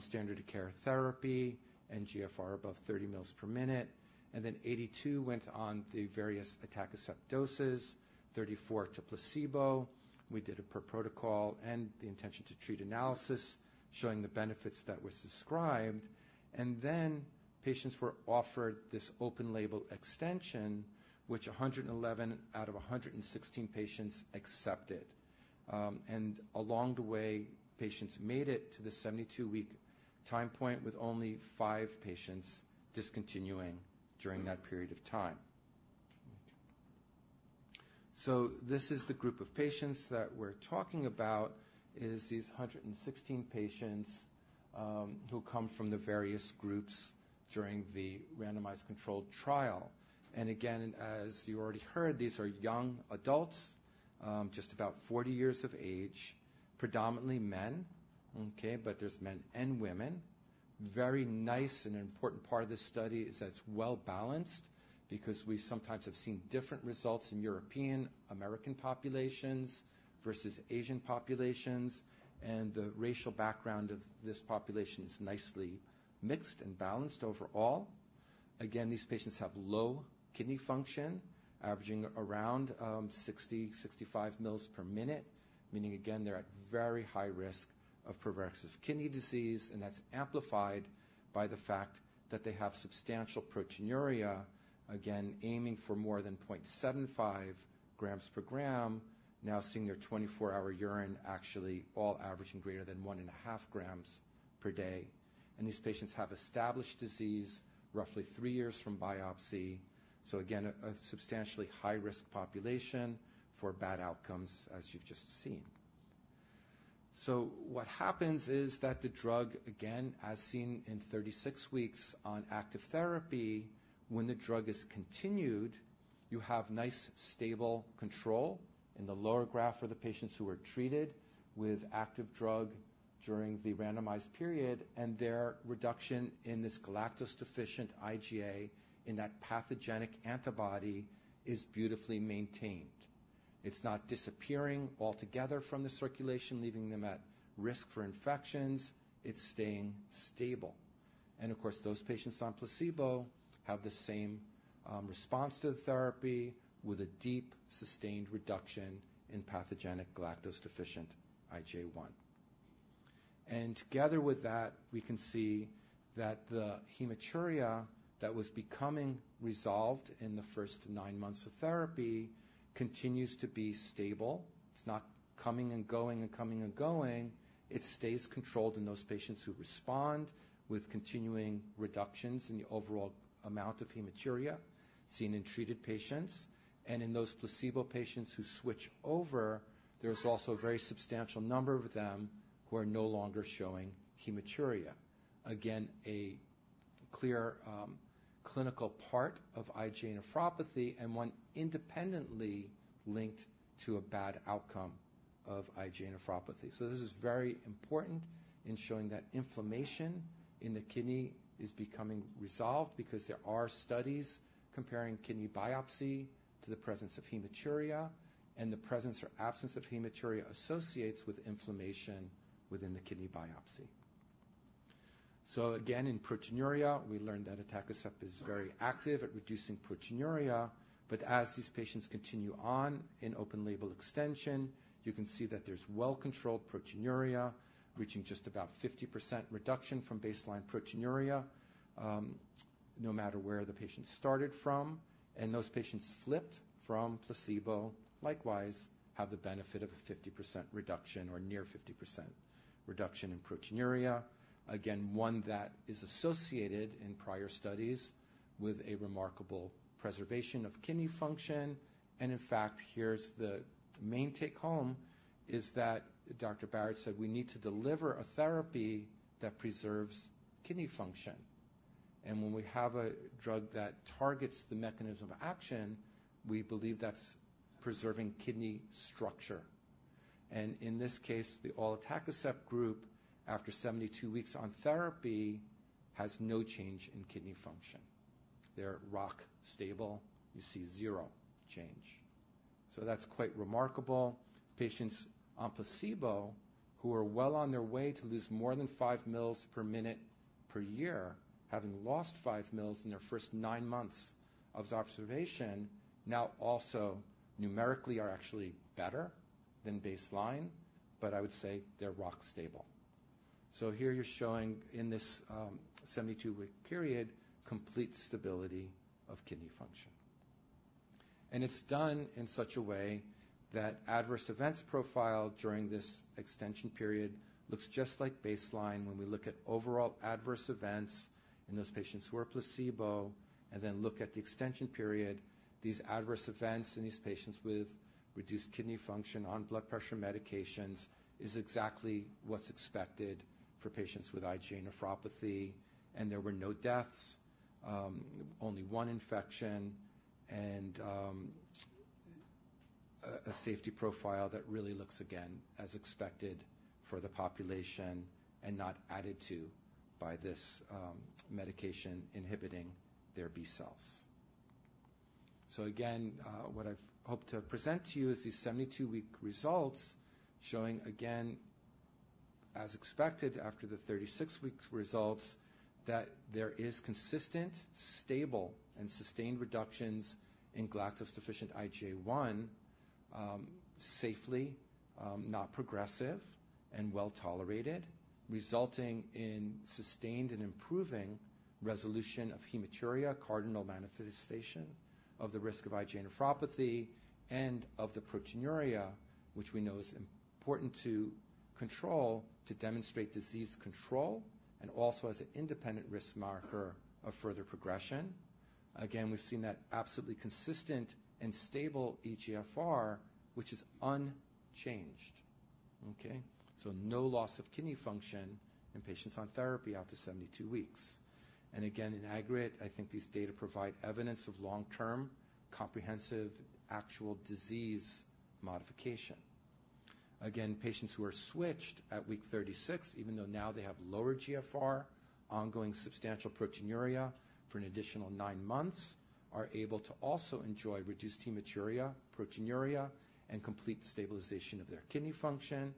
C: standard of care therapy and GFR above 30 mL/min. And then 82 went on the various atacicept doses, 34 to placebo. We did a per protocol and the intention to treat analysis, showing the benefits that were subscribed. And then patients were offered this open label extension, which 111 out of 116 patients accepted. And along the way, patients made it to the 72-week time point, with only five patients discontinuing during that period of time. So this is the group of patients that we're talking about, is these 116 patients, who come from the various groups during the randomized controlled trial. And again, as you already heard, these are young adults, just about 40 years of age, predominantly men, okay, but there's men and women. Very nice, and an important part of this study is that it's well-balanced because we sometimes have seen different results in European, American populations versus Asian populations, and the racial background of this population is nicely mixed and balanced overall. Again, these patients have low kidney function, averaging around 60 mL/min-65 mL/min, meaning again, they're at very high risk of progressive kidney disease, and that's amplified by the fact that they have substantial proteinuria. Again, aiming for more than 0.75 g/g, now seeing their 24-hour urine actually all averaging greater than 1.5 g/day. These patients have established disease roughly three years from biopsy. So again, a substantially high-risk population for bad outcomes, as you've just seen. So what happens is that the drug, again, as seen in 36 weeks on active therapy, when the drug is continued, you have nice stable control in the lower graph for the patients who were treated with active drug during the randomized period, and their reduction in this galactose-deficient IgA in that pathogenic antibody is beautifully maintained. It's not disappearing altogether from the circulation, leaving them at risk for infections. It's staying stable. And of course, those patients on placebo have the same response to the therapy with a deep, sustained reduction in pathogenic galactose-deficient IgA1. And together with that, we can see that the hematuria that was becoming resolved in the first nine months of therapy continues to be stable. It's not coming and going, and coming and going. It stays controlled in those patients who respond with continuing reductions in the overall amount of hematuria seen in treated patients. And in those placebo patients who switch over, there's also a very substantial number of them who are no longer showing hematuria. Again, a clear clinical part of IgA nephropathy and one independently linked to a bad outcome of IgA nephropathy. So this is very important in showing that inflammation in the kidney is becoming resolved because there are studies comparing kidney biopsy to the presence of hematuria, and the presence or absence of hematuria associates with inflammation within the kidney biopsy. So again, in proteinuria, we learned that atacicept is very active at reducing proteinuria, but as these patients continue on in open-label extension, you can see that there's well-controlled proteinuria reaching just about 50% reduction from baseline proteinuria, no matter where the patient started from, and those patients flipped from placebo likewise have the benefit of a 50% reduction or near 50% reduction in proteinuria. Again, one that is associated in prior studies with a remarkable preservation of kidney function. And in fact, here's the main take-home, is that Dr. Barratt said we need to deliver a therapy that preserves kidney function. And when we have a drug that targets the mechanism of action, we believe that's preserving kidney structure. And in this case, the atacicept group, after 72 weeks on therapy, has no change in kidney function. They're rock stable. You see zero change. So that's quite remarkable. Patients on placebo, who are well on their way to lose more than 5 mL/min/year, having lost 5 mL in their first nine months of observation, now also numerically are actually better than baseline, but I would say they're rock stable. So here you're showing in this 72-week period, complete stability of kidney function. And it's done in such a way that adverse events profile during this extension period looks just like baseline when we look at overall adverse events in those patients who are placebo and then look at the extension period. These adverse events in these patients with reduced kidney function on blood pressure medications is exactly what's expected for patients with IgA nephropathy, and there were no deaths, only one infection and a safety profile that really looks again, as expected for the population and not added to by this medication inhibiting their B cells. So again, what I've hoped to present to you is these 72-week results showing again, as expected, after the 36 weeks results, that there is consistent, stable, and sustained reductions in galactose-deficient IgA1, safely, not progressive and well-tolerated, resulting in sustained and improving resolution of hematuria, cardinal manifestation of the risk of IgA nephropathy and of the proteinuria, which we know is important to control, to demonstrate disease control and also as an independent risk marker of further progression. Again, we've seen that absolutely consistent and stable eGFR, which is unchanged. Okay? So no loss of kidney function in patients on therapy out to 72 weeks. And again, in aggregate, I think these data provide evidence of long-term, comprehensive, actual disease modification. Again, patients who are switched at week 36, even though now they have lower GFR, ongoing substantial proteinuria for an additional nine months, are able to also enjoy reduced hematuria, proteinuria, and complete stabilization of their kidney function.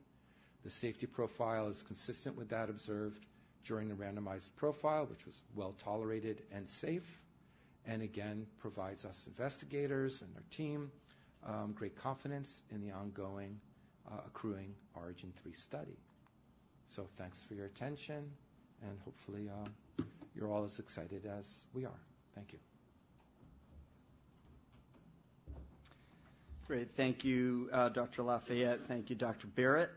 C: The safety profile is consistent with that observed during the randomized profile, which was well-tolerated and safe, and again, provides us investigators and our team great confidence in the ongoing accruing ORIGIN 3 study. So thanks for your attention, and hopefully, you're all as excited as we are. Thank you.
A: Great. Thank you, Dr. Lafayette. Thank you, Dr. Barratt.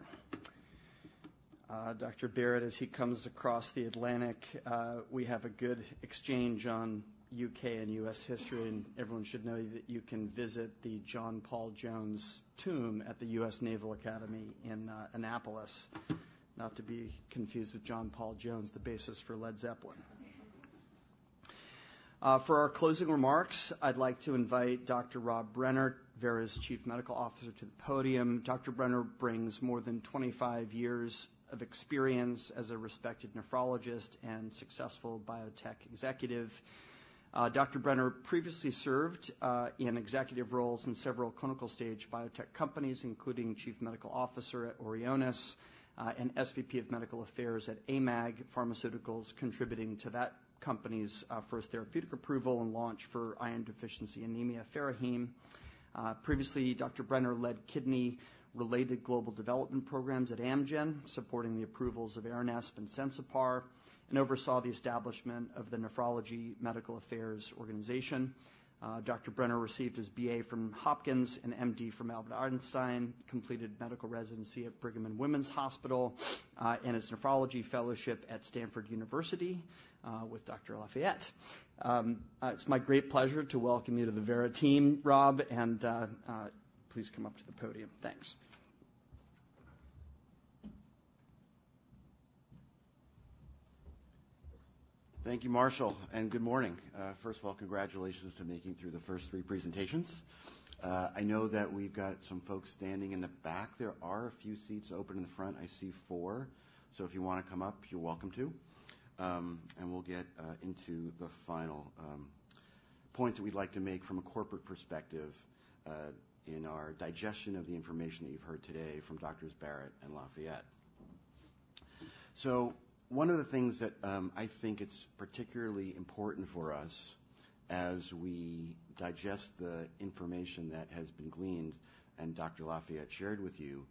A: Dr. Barratt, as he comes across the Atlantic, we have a good exchange on U.K. and U.S. history, and everyone should know that you can visit the John Paul Jones Tomb at the U.S. Naval Academy in Annapolis. Not to be confused with John Paul Jones, the basis for Led Zeppelin. For our closing remarks, I'd like to invite Dr. Rob Brenner, Vera's Chief Medical Officer, to the podium. Dr. Brenner brings more than 25 years of experience as a respected nephrologist and successful biotech executive. Dr. Brenner previously served in executive roles in several clinical stage biotech companies, including Chief Medical Officer at Aurinia, and SVP of Medical Affairs at AMAG Pharmaceuticals, contributing to that company's first therapeutic approval and launch for iron deficiency anemia, Feraheme. Previously, Dr. Brenner led kidney-related global development programs at Amgen, supporting the approvals of Aranesp and Sensipar, and oversaw the establishment of the Nephrology Medical Affairs organization. Dr. Brenner received his BA from Hopkins and MD from Albert Einstein, completed medical residency at Brigham and Women's Hospital, and his nephrology fellowship at Stanford University, with Dr. Lafayette. It's my great pleasure to welcome you to the Vera team, Rob, and please come up to the podium. Thanks.
D: Thank you, Marshall, and good morning. First of all, congratulations to making it through the first three presentations. I know that we've got some folks standing in the back. There are a few seats open in the front. I see four. So if you want to come up, you're welcome to. And we'll get into the final points that we'd like to make from a corporate perspective, in our digestion of the information that you've heard today from Doctors Barratt and Lafayette. So one of the things that, I think it's particularly important for us as we digest the information that has been gleaned, and. Dr. Lafayette shared with you,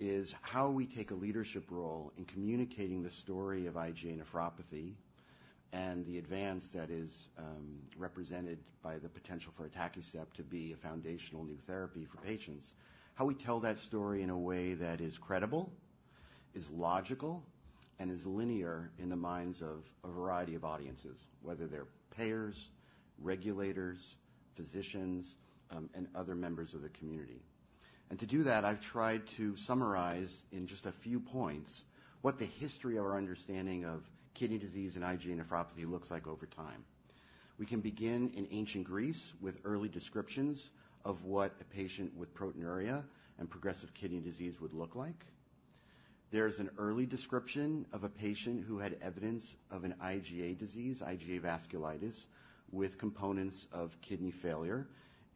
D: is how we take a leadership role in communicating the story of IgA nephropathy and the advance that is represented by the potential for atacicept to be a foundational new therapy for patients. How we tell that story in a way that is credible, is logical, and is linear in the minds of a variety of audiences, whether they're payers, regulators, physicians, and other members of the community. To do that, I've tried to summarize in just a few points what the history of our understanding of kidney disease and IgA nephropathy looks like over time. We can begin in ancient Greece with early descriptions of what a patient with proteinuria and progressive kidney disease would look like. There's an early description of a patient who had evidence of an IgA disease, IgA vasculitis, with components of kidney failure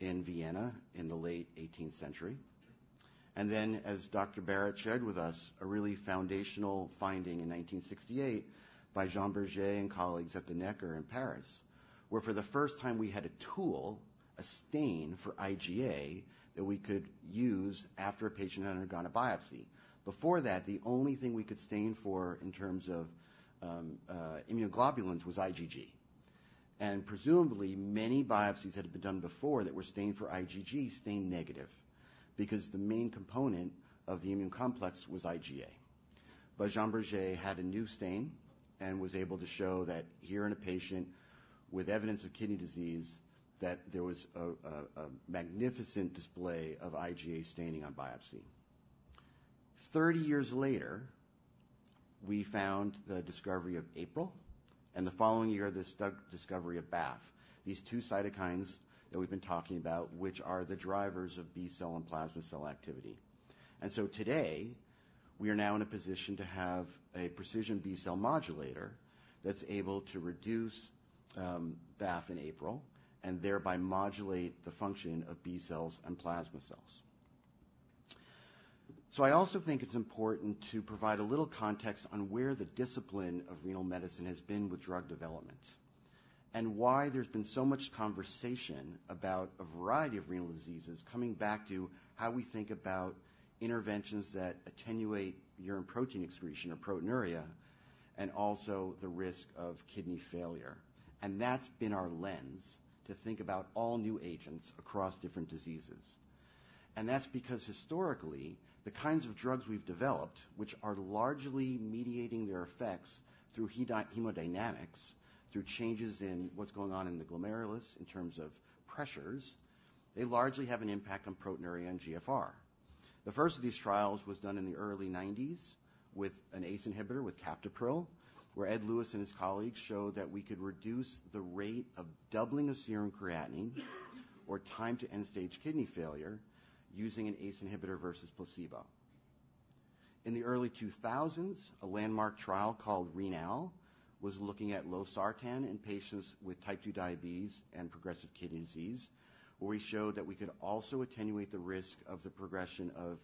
D: in Vienna in the late eighteenth century. Then, as Dr. Barratt shared with us, a really foundational finding in 1968 by Jean Berger and colleagues at the Necker in Paris, where for the first time we had a tool, a stain for IgA, that we could use after a patient had undergone a biopsy. Before that, the only thing we could stain for in terms of immunoglobulins was IgG, and presumably many biopsies that had been done before that were stained for IgG stained negative because the main component of the immune complex was IgA. But Jean Berger had a new stain and was able to show that here in a patient with evidence of kidney disease, that there was a magnificent display of IgA staining on biopsy. 30 years later, we found the discovery of APRIL, and the following year, the stunning discovery of BAFF. These two cytokines that we've been talking about, which are the drivers of B-cell and plasma cell activity. And so today, we are now in a position to have a precision B-cell modulator that's able to reduce BAFF and APRIL, and thereby modulate the function of B-cells and plasma cells. So I also think it's important to provide a little context on where the discipline of renal medicine has been with drug development and why there's been so much conversation about a variety of renal diseases, coming back to how we think about interventions that attenuate urine protein excretion or proteinuria, and also the risk of kidney failure. That's been our lens to think about all new agents across different diseases. That's because historically, the kinds of drugs we've developed, which are largely mediating their effects through hemodynamics, through changes in what's going on in the glomerulus in terms of pressures, they largely have an impact on proteinuria and GFR. The first of these trials was done in the early 1990s with an ACE inhibitor, with captopril, where Ed Lewis and his colleagues showed that we could reduce the rate of doubling of serum creatinine or time to end-stage kidney failure using an ACE inhibitor versus placebo. In the early 2000s, a landmark trial called RENAL was looking at losartan in patients with Type 2 diabetes and progressive kidney disease, where we showed that we could also attenuate the risk of the progression of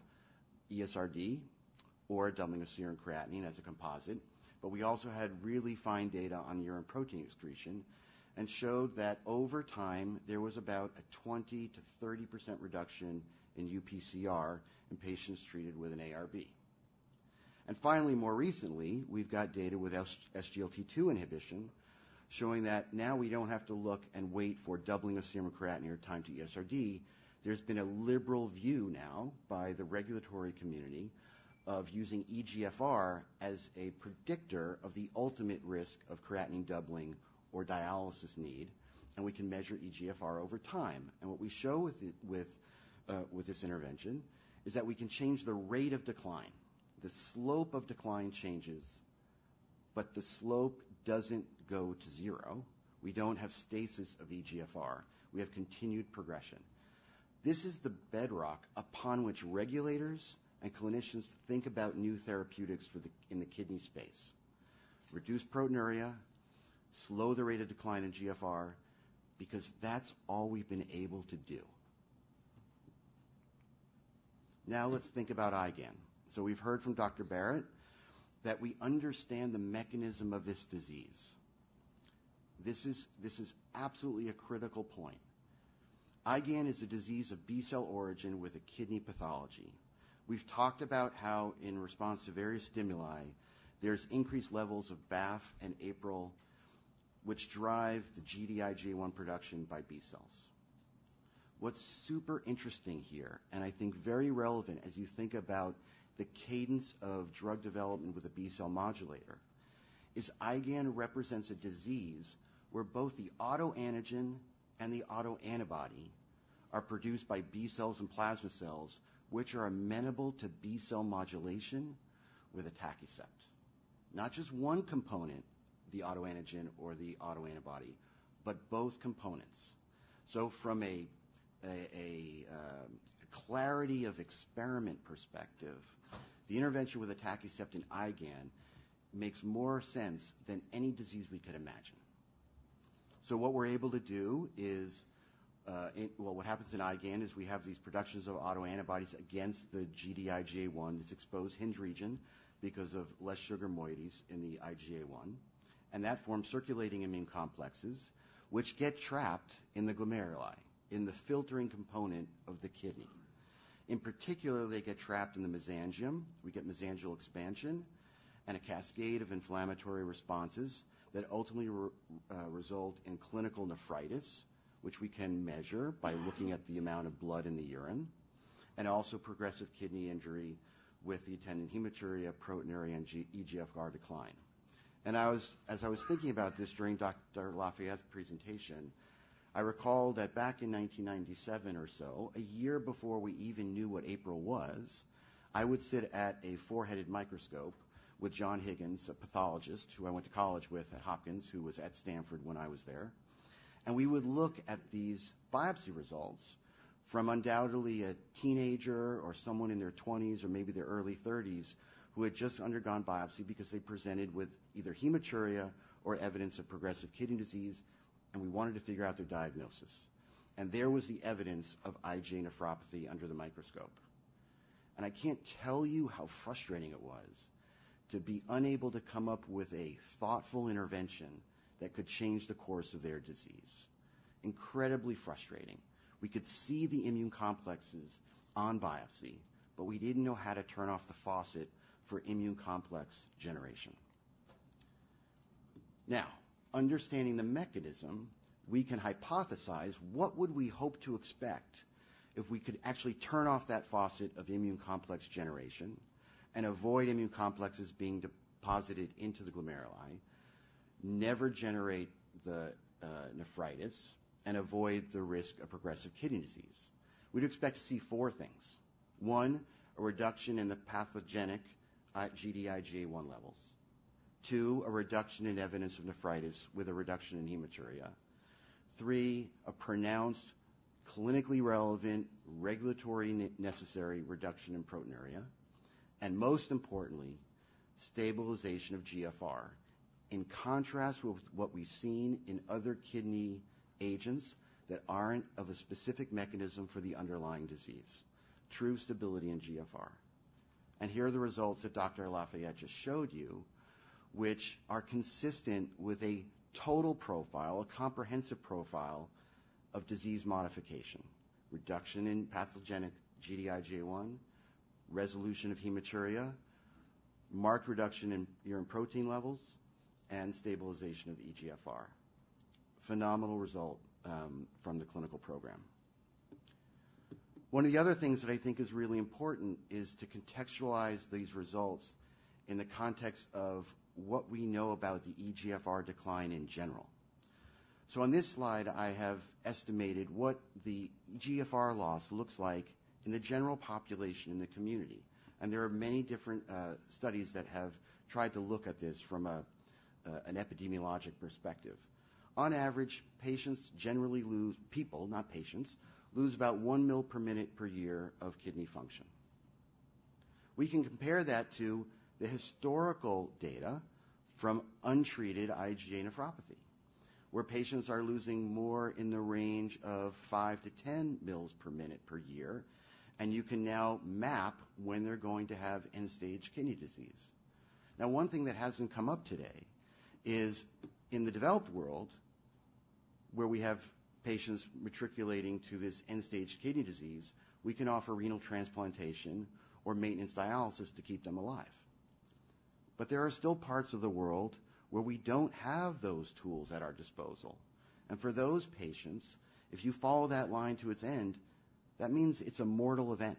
D: ESRD or doubling of serum creatinine as a composite. But we also had really fine data on urine protein excretion and showed that over time, there was about a 20%-30% reduction in UPCR in patients treated with an ARB. Finally, more recently, we've got data with SGLT2 inhibition showing that now we don't have to look and wait for doubling of serum creatinine or time to ESRD. There's been a liberal view now by the regulatory community of using eGFR as a predictor of the ultimate risk of creatinine doubling or dialysis need, and we can measure eGFR over time. And what we show with it, with this intervention, is that we can change the rate of decline. The slope of decline changes, but the slope doesn't go to zero. We don't have stasis of eGFR. We have continued progression. This is the bedrock upon which regulators and clinicians think about new therapeutics for the... in the kidney space. Reduce proteinuria, slow the rate of decline in GFR, because that's all we've been able to do. Now, let's think about IgAN. So we've heard from Dr. Barratt, that we understand the mechanism of this disease. This is absolutely a critical point. IgAN is a disease of B-cell origin with a kidney pathology. We've talked about how in response to various stimuli, there's increased levels of BAFF and APRIL, which drive the Gd-IgA1 production by B-cells. What's super interesting here, and I think very relevant as you think about the cadence of drug development with a B-cell modulator, is IgAN represents a disease where both the autoantigen and the autoantibody are produced by B cells and plasma cells, which are amenable to B cell modulation with atacicept. Not just one component, the autoantigen or the autoantibody, but both components. So from a clarity of experiment perspective, the intervention with atacicept in IgAN makes more sense than any disease we could imagine. So what we're able to do is, well, what happens in IgAN is we have these productions of autoantibodies against the Gd-IgA1, this exposed hinge region, because of less sugar moieties in the IgA1, and that forms circulating immune complexes, which get trapped in the glomeruli, in the filtering component of the kidney. In particular, they get trapped in the mesangium. We get mesangial expansion and a cascade of inflammatory responses that ultimately result in clinical nephritis, which we can measure by looking at the amount of blood in the urine, and also progressive kidney injury with the attendant hematuria, proteinuria, and eGFR decline. And as I was thinking about this during Dr. Lafayette's presentation, I recalled that back in 1997 or so, a year before we even knew what APRIL was, I would sit at a four-headed microscope with John Higgins, a pathologist who I went to college with at Hopkins, who was at Stanford when I was there. We would look at these biopsy results from undoubtedly a teenager or someone in their twenties or maybe their early thirties, who had just undergone biopsy because they presented with either hematuria or evidence of progressive kidney disease, and we wanted to figure out their diagnosis. There was the evidence of IgA nephropathy under the microscope. I can't tell you how frustrating it was to be unable to come up with a thoughtful intervention that could change the course of their disease. Incredibly frustrating. We could see the immune complexes on biopsy, but we didn't know how to turn off the faucet for immune complex generation. Now, understanding the mechanism, we can hypothesize what would we hope to expect if we could actually turn off that faucet of immune complex generation and avoid immune complexes being deposited into the glomeruli, never generate the nephritis, and avoid the risk of progressive kidney disease? We'd expect to see four things. One, a reduction in the pathogenic Gd-IgA1 levels. Two, a reduction in evidence of nephritis with a reduction in hematuria. Three, a pronounced, clinically relevant, regulatory necessary reduction in proteinuria. And most importantly, stabilization of GFR, in contrast with what we've seen in other kidney agents that aren't of a specific mechanism for the underlying disease. True stability in GFR. And here are the results that Dr. Lafayette just showed you, which are consistent with a total profile, a comprehensive profile of disease modification: reduction in pathogenic Gd-IgA1, resolution of hematuria, marked reduction in urine protein levels, and stabilization of eGFR. Phenomenal result from the clinical program. One of the other things that I think is really important is to contextualize these results in the context of what we know about the eGFR decline in general. So on this slide, I have estimated what the GFR loss looks like in the general population in the community, and there are many different studies that have tried to look at this from an epidemiologic perspective. On average, patients generally lose... people, not patients, lose about one ml per minute per year of kidney function. We can compare that to the historical data from untreated IgA nephropathy, where patients are losing more in the range of 5-10 mL/min/year, and you can now map when they're going to have end-stage kidney disease. Now, one thing that hasn't come up today is in the developed world, where we have patients matriculating to this end-stage kidney disease, we can offer renal transplantation or maintenance dialysis to keep them alive. But there are still parts of the world where we don't have those tools at our disposal. And for those patients, if you follow that line to its end, that means it's a mortal event.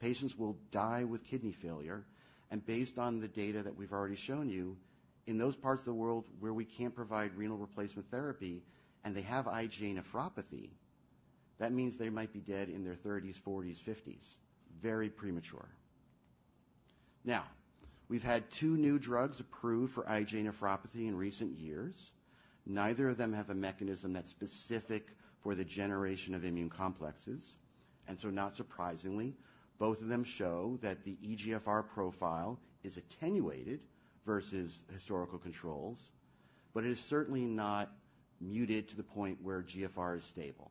D: Patients will die with kidney failure, and based on the data that we've already shown you, in those parts of the world where we can't provide renal replacement therapy and they have IgA nephropathy, that means they might be dead in their thirties, forties, fifties. Very premature. Now, we've had two new drugs approved for IgA nephropathy in recent years. Neither of them have a mechanism that's specific for the generation of immune complexes. And so, not surprisingly, both of them show that the eGFR profile is attenuated versus historical controls, but it is certainly not muted to the point where eGFR is stable.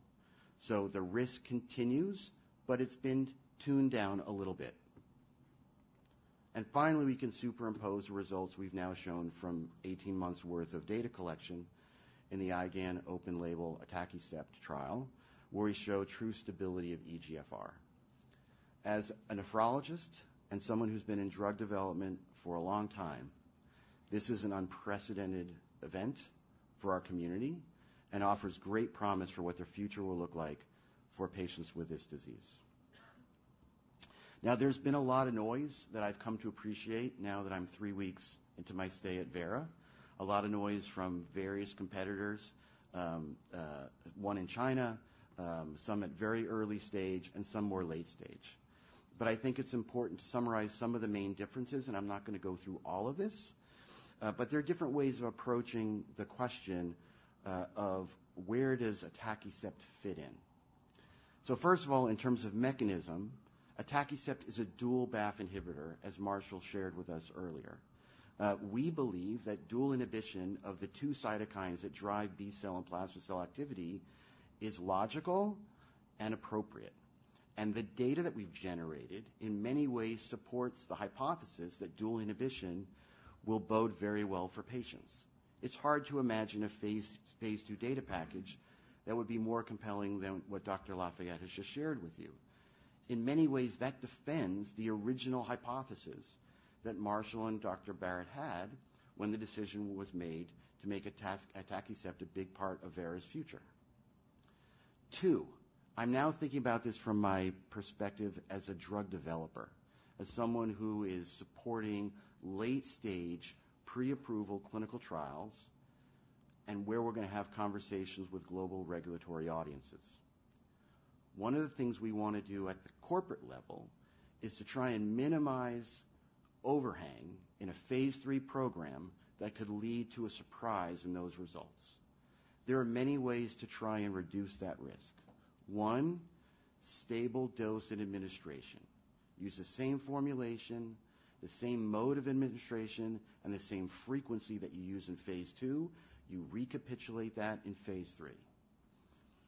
D: So the risk continues, but it's been tuned down a little bit. And finally, we can superimpose the results we've now shown from 18 months' worth of data collection in the IgAN open-label atacicept trial, where we show true stability of eGFR. As a nephrologist and someone who's been in drug development for a long time, this is an unprecedented event for our community and offers great promise for what the future will look like for patients with this disease. Now, there's been a lot of noise that I've come to appreciate now that I'm three weeks into my stay at Vera. A lot of noise from various competitors, one in China, some at very early stage and some more late stage. But I think it's important to summarize some of the main differences, and I'm not going to go through all of this. But there are different ways of approaching the question, of where does atacicept fit in? So first of all, in terms of mechanism, atacicept is a dual BAFF inhibitor, as Marshall shared with us earlier. We believe that dual inhibition of the two cytokines that drive B-cell and plasma cell activity is logical and appropriate, and the data that we've generated in many ways supports the hypothesis that dual inhibition will bode very well for patients. It's hard to imagine a phase II data package that would be more compelling than what Dr. Lafayette has just shared with you. In many ways, that defends the original hypothesis that Marshall and Dr. Barratt had when the decision was made to make atacicept a big part of Vera's future. Two, I'm now thinking about this from my perspective as a drug developer, as someone who is supporting late-stage, pre-approval clinical trials and where we're going to have conversations with global regulatory audiences. One of the things we want to do at the corporate level is to try and minimize overhang in a phase III program that could lead to a surprise in those results. There are many ways to try and reduce that risk. One, stable dose and administration. Use the same formulation, the same mode of administration, and the same frequency that you use in phase II, you recapitulate that in phase III.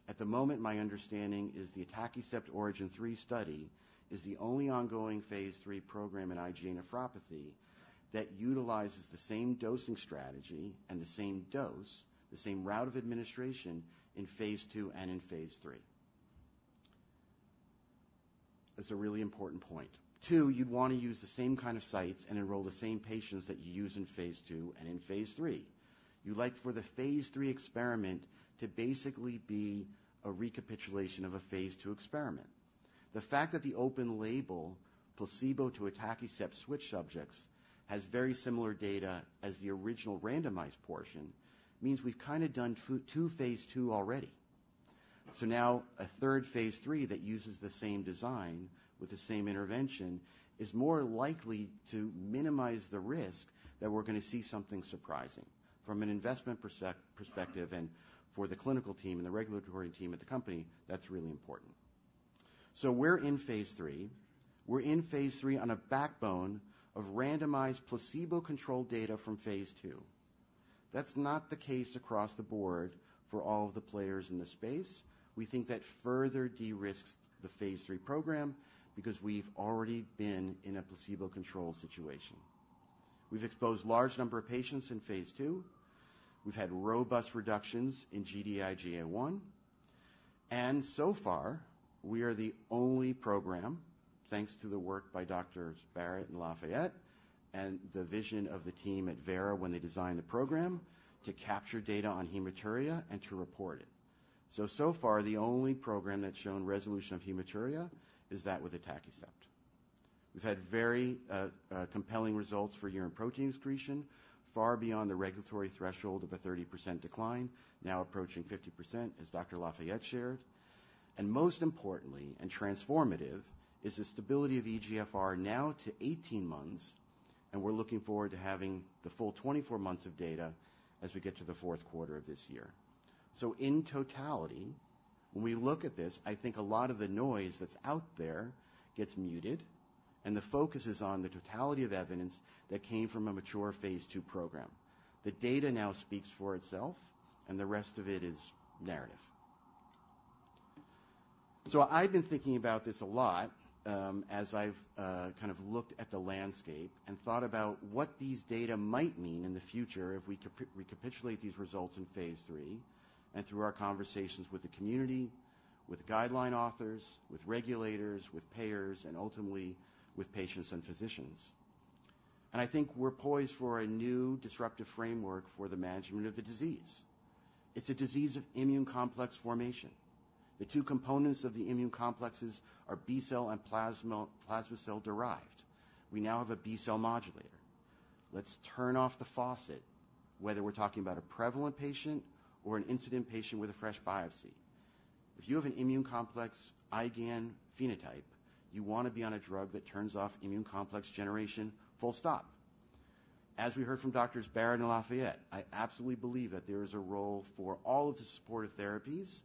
D: At the moment, my understanding is the atacicept ORIGIN 3 study is the only ongoing phase III program in IgA nephropathy that utilizes the same dosing strategy and the same dose, the same route of administration in phase II and in phase III. That's a really important point. Two, you'd want to use the same kind of sites and enroll the same patients that you use in phase II and in phase III. You'd like for the phase III experiment to basically be a recapitulation of a phase II experiment. The fact that the open label, placebo to atacicept switch subjects, has very similar data as the original randomized portion, means we've kind of done two phase II already. So now, a third phase III that uses the same design with the same intervention is more likely to minimize the risk that we're going to see something surprising. From an investment perspective and for the clinical team and the regulatory team at the company, that's really important. So we're in phase III. We're in phase III on a backbone of randomized, placebo-controlled data from phase II. That's not the case across the board for all of the players in the space. We think that further de-risks the phase III program because we've already been in a placebo-controlled situation. We've exposed a large number of patients in phase II. We've had robust reductions in Gd-IgA1, and so far, we are the only program, thanks to the work by Doctors Barratt and Lafayette and the vision of the team at Vera when they designed the program, to capture data on hematuria and to report it. So, so far, the only program that's shown resolution of hematuria is that with atacicept. We've had very, compelling results for urine protein excretion, far beyond the regulatory threshold of a 30% decline, now approaching 50%, as Dr. Lafayette shared. And most importantly, and transformative, is the stability of eGFR now to 18 months, and we're looking forward to having the full 24 months of data as we get to the fourth quarter of this year. So in totality, when we look at this, I think a lot of the noise that's out there gets muted, and the focus is on the totality of evidence that came from a mature phase II program. The data now speaks for itself, and the rest of it is narrative. So I've been thinking about this a lot, as I've kind of looked at the landscape and thought about what these data might mean in the future if we recapitulate these results in phase III, and through our conversations with the community, with guideline authors, with regulators, with payers, and ultimately with patients and physicians. And I think we're poised for a new disruptive framework for the management of the disease. It's a disease of immune complex formation. The two components of the immune complexes are B-cell and plasma, plasma cell-derived. We now have a B-cell modulator. Let's turn off the faucet, whether we're talking about a prevalent patient or an incident patient with a fresh biopsy. If you have an immune complex IgAN phenotype, you want to be on a drug that turns off immune complex generation, full stop. As we heard from doctors Barratt and Lafayette, I absolutely believe that there is a role for all of the supportive therapies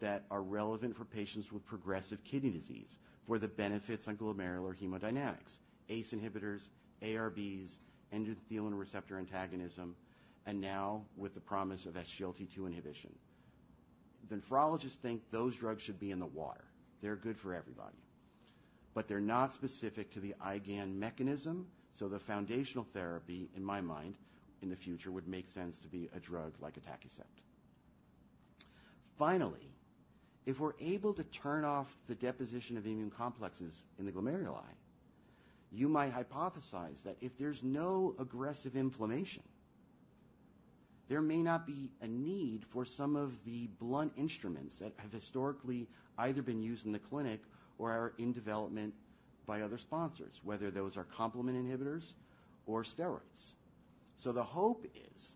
D: that are relevant for patients with progressive kidney disease, for the benefits on glomerular hemodynamics, ACE inhibitors, ARBs, endothelin receptor antagonism, and now with the promise of SGLT2 inhibition. Nephrologists think those drugs should be in the water. They're good for everybody, but they're not specific to the IgAN mechanism, so the foundational therapy, in my mind, in the future, would make sense to be a drug like atacicept. Finally, if we're able to turn off the deposition of immune complexes in the glomeruli, you might hypothesize that if there's no aggressive inflammation... There may not be a need for some of the blunt instruments that have historically either been used in the clinic or are in development by other sponsors, whether those are complement inhibitors or steroids. So the hope is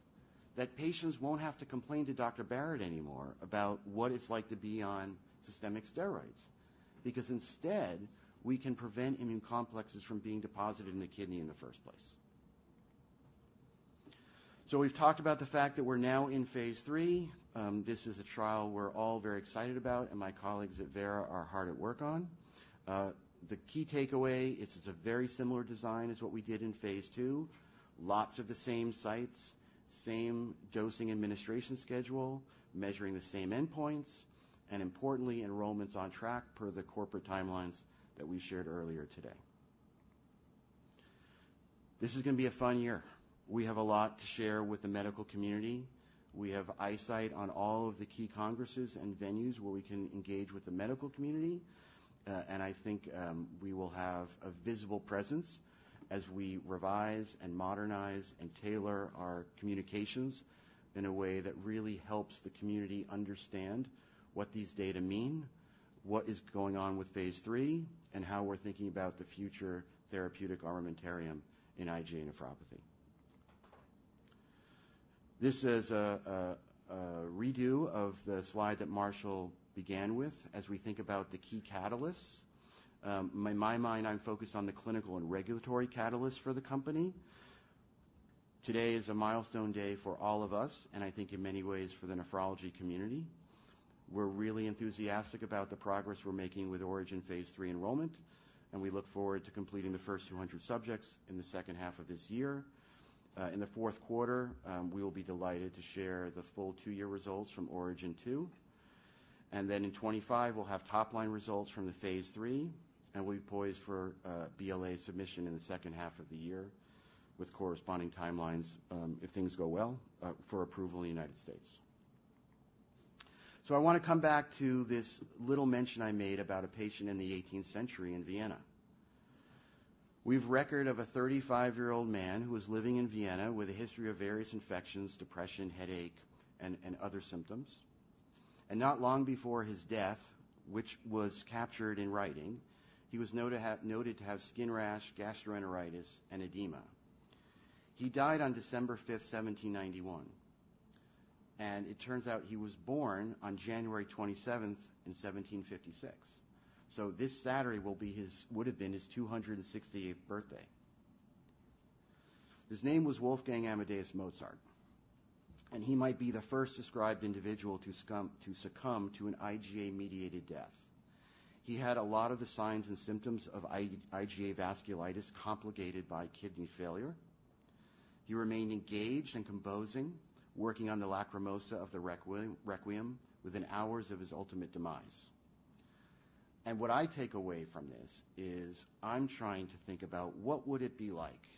D: that patients won't have to complain to Dr. Barratt anymore about what it's like to be on systemic steroids, because instead, we can prevent immune complexes from being deposited in the kidney in the first place. So we've talked about the fact that we're now in phase III. This is a trial we're all very excited about, and my colleagues at Vera are hard at work on. The key takeaway is it's a very similar design as what we did in phase II. Lots of the same sites, same dosing administration schedule, measuring the same endpoints, and importantly, enrollment's on track per the corporate timelines that we shared earlier today. This is gonna be a fun year. We have a lot to share with the medical community. We have eyes on all of the key congresses and venues where we can engage with the medical community. And I think we will have a visible presence as we revise and modernize and tailor our communications in a way that really helps the community understand what these data mean, what is going on with phase III, and how we're thinking about the future therapeutic armamentarium in IgA nephropathy. This is a redo of the slide that Marshall began with as we think about the key catalysts. In my mind, I'm focused on the clinical and regulatory catalysts for the company. Today is a milestone day for all of us, and I think in many ways, for the nephrology community. We're really enthusiastic about the progress we're making with ORIGIN Phase III enrollment, and we look forward to completing the first 200 subjects in the second half of this year. In the fourth quarter, we will be delighted to share the full two-year results from ORIGIN 2. And then in 2025, we'll have top-line results from the Phase III, and we'll be poised for a BLA submission in the second half of the year, with corresponding timelines, if things go well, for approval in the United States. So I wanna come back to this little mention I made about a patient in the 18th century in Vienna. A record of a 35-year-old man who was living in Vienna with a history of various infections, depression, headache, and other symptoms. Not long before his death, which was captured in writing, he was noted to have skin rash, gastroenteritis, and edema. He died on December 5, 1791, and it turns out he was born on January 27, 1756. So this Saturday will be his... would have been his 268th birthday. His name was Wolfgang Amadeus Mozart, and he might be the first described individual to succumb to an IgA-mediated death. He had a lot of the signs and symptoms of IgA vasculitis, complicated by kidney failure. He remained engaged in composing, working on the Lacrimosa of the Requiem within hours of his ultimate demise. What I take away from this is I'm trying to think about what would it be like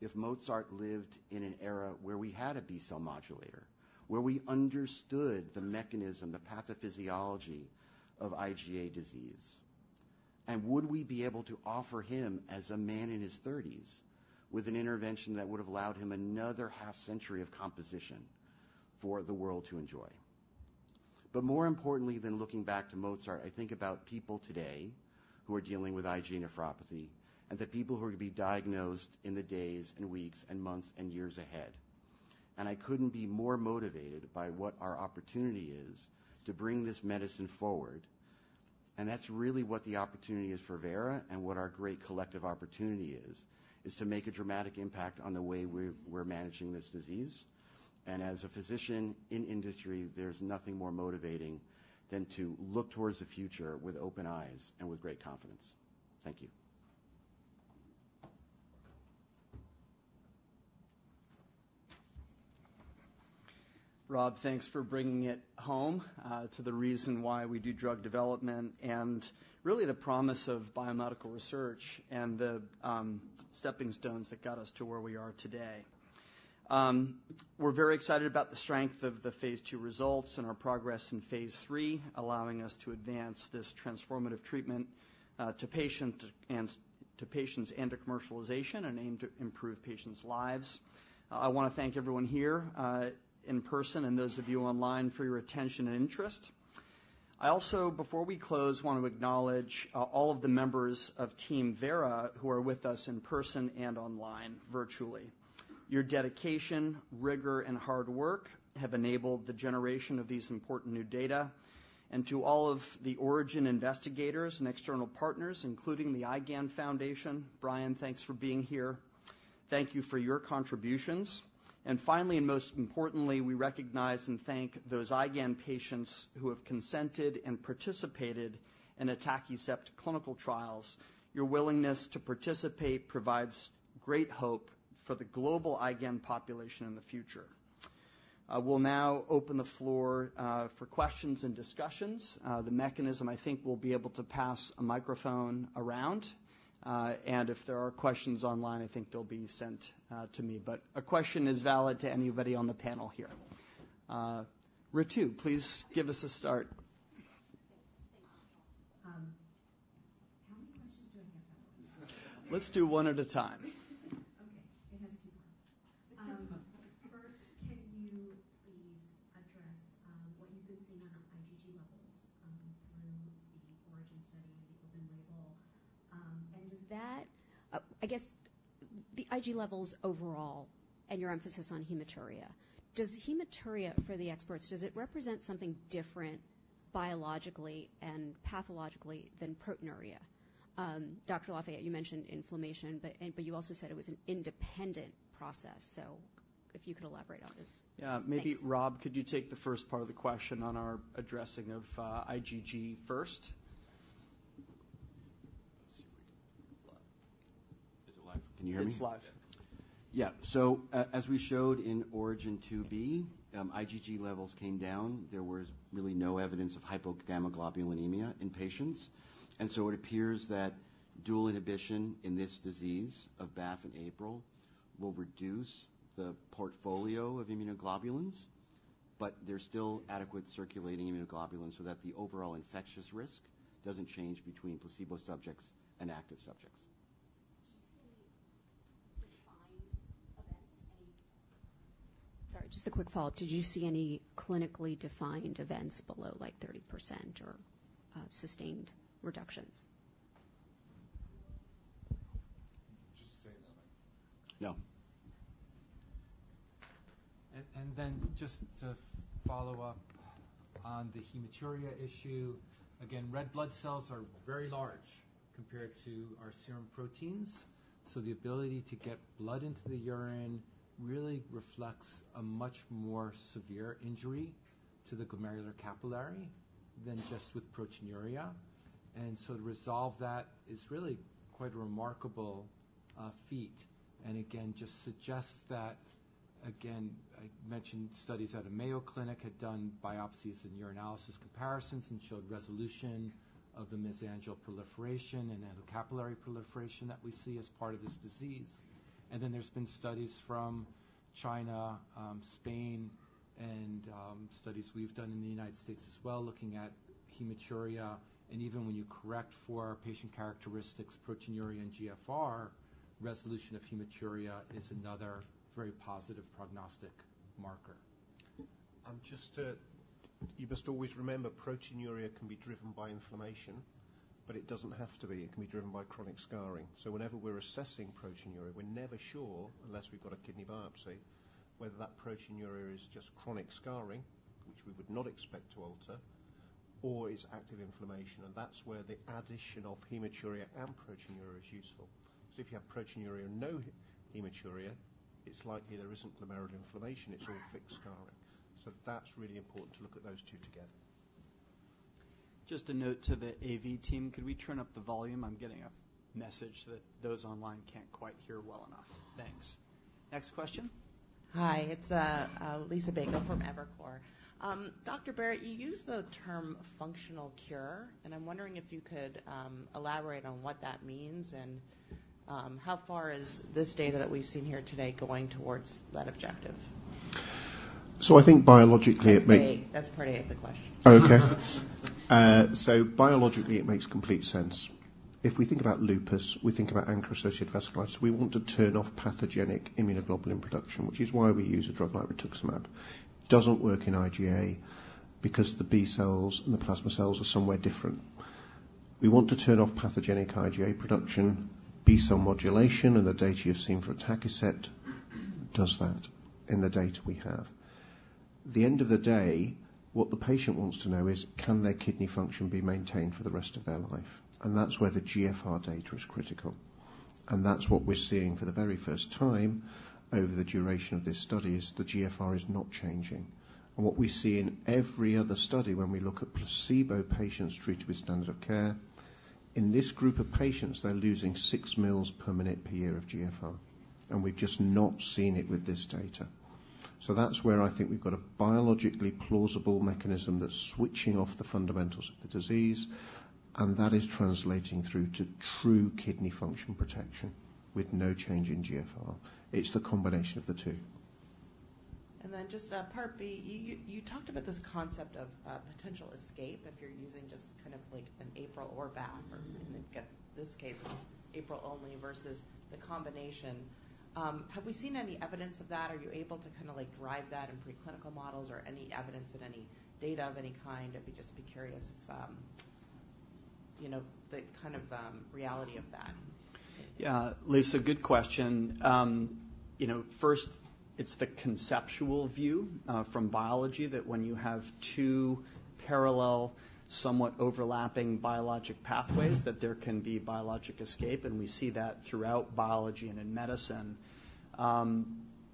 D: if Mozart lived in an era where we had a B-cell modulator, where we understood the mechanism, the pathophysiology of IgA disease? And would we be able to offer him as a man in his thirties, with an intervention that would have allowed him another half century of composition for the world to enjoy? But more importantly than looking back to Mozart, I think about people today who are dealing with IgA nephropathy, and the people who are to be diagnosed in the days and weeks and months and years ahead. I couldn't be more motivated by what our opportunity is to bring this medicine forward, and that's really what the opportunity is for Vera and what our great collective opportunity is, is to make a dramatic impact on the way we're managing this disease. As a physician in industry, there's nothing more motivating than to look toward the future with open eyes and with great confidence. Thank you.
A: Rob, thanks for bringing it home to the reason why we do drug development and really the promise of biomedical research and the stepping stones that got us to where we are today. We're very excited about the strength of the phase II results and our progress in phase III, allowing us to advance this transformative treatment to patient and to patients and to commercialization and aim to improve patients' lives. I wanna thank everyone here in person and those of you online for your attention and interest. I also, before we close, want to acknowledge all of the members of Team Vera who are with us in person and online virtually. Your dedication, rigor, and hard work have enabled the generation of these important new data. To all of the ORIGIN investigators and external partners, including the IgAN Foundation. Brian, thanks for being here. Thank you for your contributions. And finally, and most importantly, we recognize and thank those IgAN patients who have consented and participated in atacicept clinical trials. Your willingness to participate provides great hope for the global IgAN population in the future. I will now open the floor for questions and discussions. The mechanism, I think, will be able to pass a microphone around. And if there are questions online, I think they'll be sent to me. But a question is valid to anybody on the panel here. Ritu, please give us a start. Let's do one at a time.
E: Okay, it has two parts. First, can you please address what you've been seeing on our IgG levels through the ORIGIN study, the open-label? And does that, I guess the Ig levels overall and your emphasis on hematuria. Does hematuria for the experts, does it represent something different biologically and pathologically than proteinuria? Dr. Lafayette, you mentioned inflammation, but, but you also said it was an independent process, so if you could elaborate on this.
A: Yeah. Maybe, Rob, could you take the first part of the question on our addressing of IgG first?
D: Let's see if we can... It's live. Is it live? Can you hear me?
A: It's live.
D: Yeah. So as we showed in ORIGIN 2b, IgG levels came down. There was really no evidence of hypogammaglobulinemia in patients. And so it appears that dual inhibition in this disease of BAFF and APRIL will reduce the portfolio of immunoglobulins, but there's still adequate circulating immunoglobulins so that the overall infectious risk doesn't change between placebo subjects and active subjects.
E: Did you see any defined events, any... Sorry, just a quick follow-up. Did you see any clinically defined events below, like 30% or sustained reductions?
D: Just say it again.
A: No.
C: And then just to follow up on the hematuria issue, again, red blood cells are very large compared to our serum proteins, so the ability to get blood into the urine really reflects a much more severe injury to the glomerular capillary than just with proteinuria. And so to resolve that is really quite a remarkable feat. And again, just suggests that, again, I mentioned studies out of Mayo Clinic had done biopsies and urinalysis comparisons and showed resolution of the mesangial proliferation and capillary proliferation that we see as part of this disease. And then there's been studies from China, Spain, and studies we've done in the United States as well, looking at hematuria. And even when you correct for patient characteristics, proteinuria, and GFR, resolution of hematuria is another very positive prognostic marker.
B: You must always remember proteinuria can be driven by inflammation, but it doesn't have to be. It can be driven by chronic scarring. So whenever we're assessing proteinuria, we're never sure, unless we've got a kidney biopsy, whether that proteinuria is just chronic scarring, which we would not expect to alter, or it's active inflammation, and that's where the addition of hematuria and proteinuria is useful. So if you have proteinuria and no hematuria, it's likely there isn't glomerular inflammation, it's all fixed scarring. So that's really important to look at those two together.
A: Just a note to the AV team, could we turn up the volume? I'm getting a message that those online can't quite hear well enough. Thanks. Next question.
F: Hi, it's Liisa Bayko from Evercore ISI. Dr. Barratt, you used the term functional cure, and I'm wondering if you could elaborate on what that means and how far is this data that we've seen here today going towards that objective?
B: I think biologically, it may-
F: That's part A, that's part A of the question.
B: Okay. So biologically, it makes complete sense. If we think about lupus, we think about ANCA-associated vasculitis. We want to turn off pathogenic immunoglobulin production, which is why we use a drug like rituximab. Doesn't work in IgA because the B cells and the plasma cells are somewhere different. We want to turn off pathogenic IgA production, B cell modulation, and the data you've seen for atacicept does that in the data we have. At the end of the day, what the patient wants to know is, can their kidney function be maintained for the rest of their life? And that's where the GFR data is critical. And that's what we're seeing for the very first time over the duration of this study, is the GFR is not changing. What we see in every other study, when we look at placebo patients treated with standard of care, in this group of patients, they're losing 6 mL per minute per year of GFR, and we've just not seen it with this data. So that's where I think we've got a biologically plausible mechanism that's switching off the fundamentals of the disease, and that is translating through to true kidney function protection with no change in GFR. It's the combination of the two.
F: And then just, part B, you talked about this concept of potential escape if you're using just kind of like an APRIL or BAFF, or in this case, it's APRIL only versus the combination. Have we seen any evidence of that? Are you able to kind of like drive that in preclinical models or any evidence in any data of any kind? I'd just be curious if, you know, the kind of reality of that.
A: Yeah. Liisa, good question. You know, first, it's the conceptual view from biology, that when you have two parallel, somewhat overlapping biologic pathways, that there can be biologic escape, and we see that throughout biology and in medicine.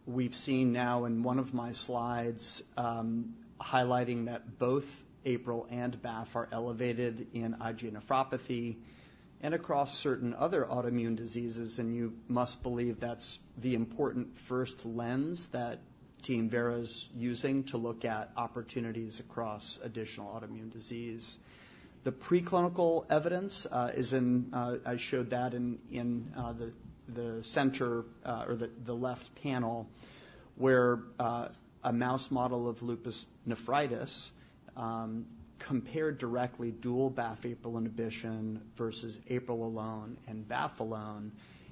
A: We've seen now in one of my slides highlighting that both APRIL and BAFF are elevated in IgA nephropathy and across certain other autoimmune diseases, and you must believe that's the important first lens that Team Vera's using to look at opportunities across additional autoimmune disease. The preclinical evidence is in. I showed that in the center or the left panel. where, a mouse model of lupus nephritis, compared directly dual BAFF/APRIL inhibition versus APRIL alone and BAFF alone,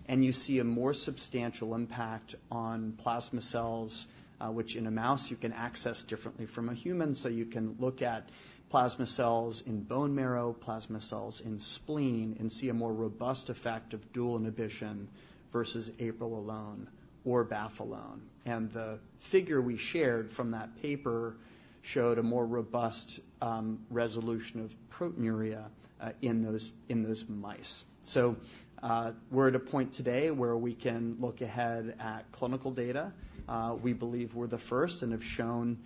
A: and you see a more substantial impact on plasma cells, which in a mouse you can access differently from a human. So you can look at plasma cells in bone marrow, plasma cells in spleen, and see a more robust effect of dual inhibition versus APRIL alone or BAFF alone. And the figure we shared from that paper showed a more robust, resolution of proteinuria, in those, in those mice. So, we're at a point today where we can look ahead at clinical data. We believe we're the first and have shown,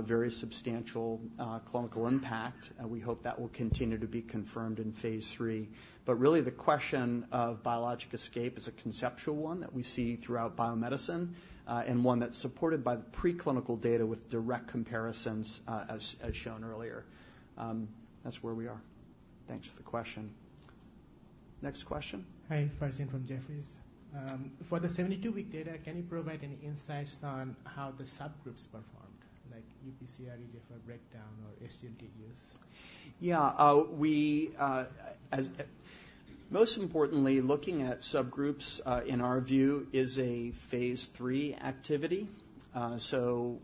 A: very substantial, clinical impact, and we hope that will continue to be confirmed in phase three. But really, the question of biologic escape is a conceptual one that we see throughout biomedicine, and one that's supported by the preclinical data with direct comparisons, as shown earlier. That's where we are. Thanks for the question. Next question?
G: Hi, Farzin from Jefferies. For the 72-week data, can you provide any insights on how the subgroups performed, like UPC, eGFR breakdown or SGLT use?
A: Yeah. Most importantly, looking at subgroups, in our view, is a phase III activity. So,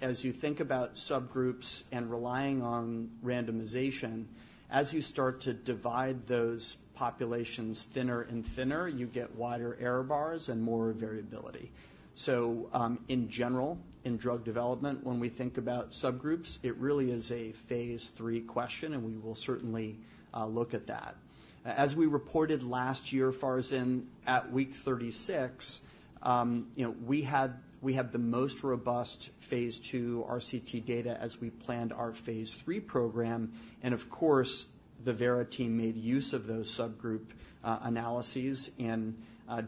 A: as you think about subgroups and relying on randomization, as you start to divide those populations thinner and thinner, you get wider error bars and more variability. So, in general, in drug development, when we think about subgroups, it really is a phase III question, and we will certainly look at that. As we reported last year, Farzin, at week 36, you know, we had the most robust phase 2 RCT data as we planned our phase III program, and of course, the Vera team made use of those subgroup analyses in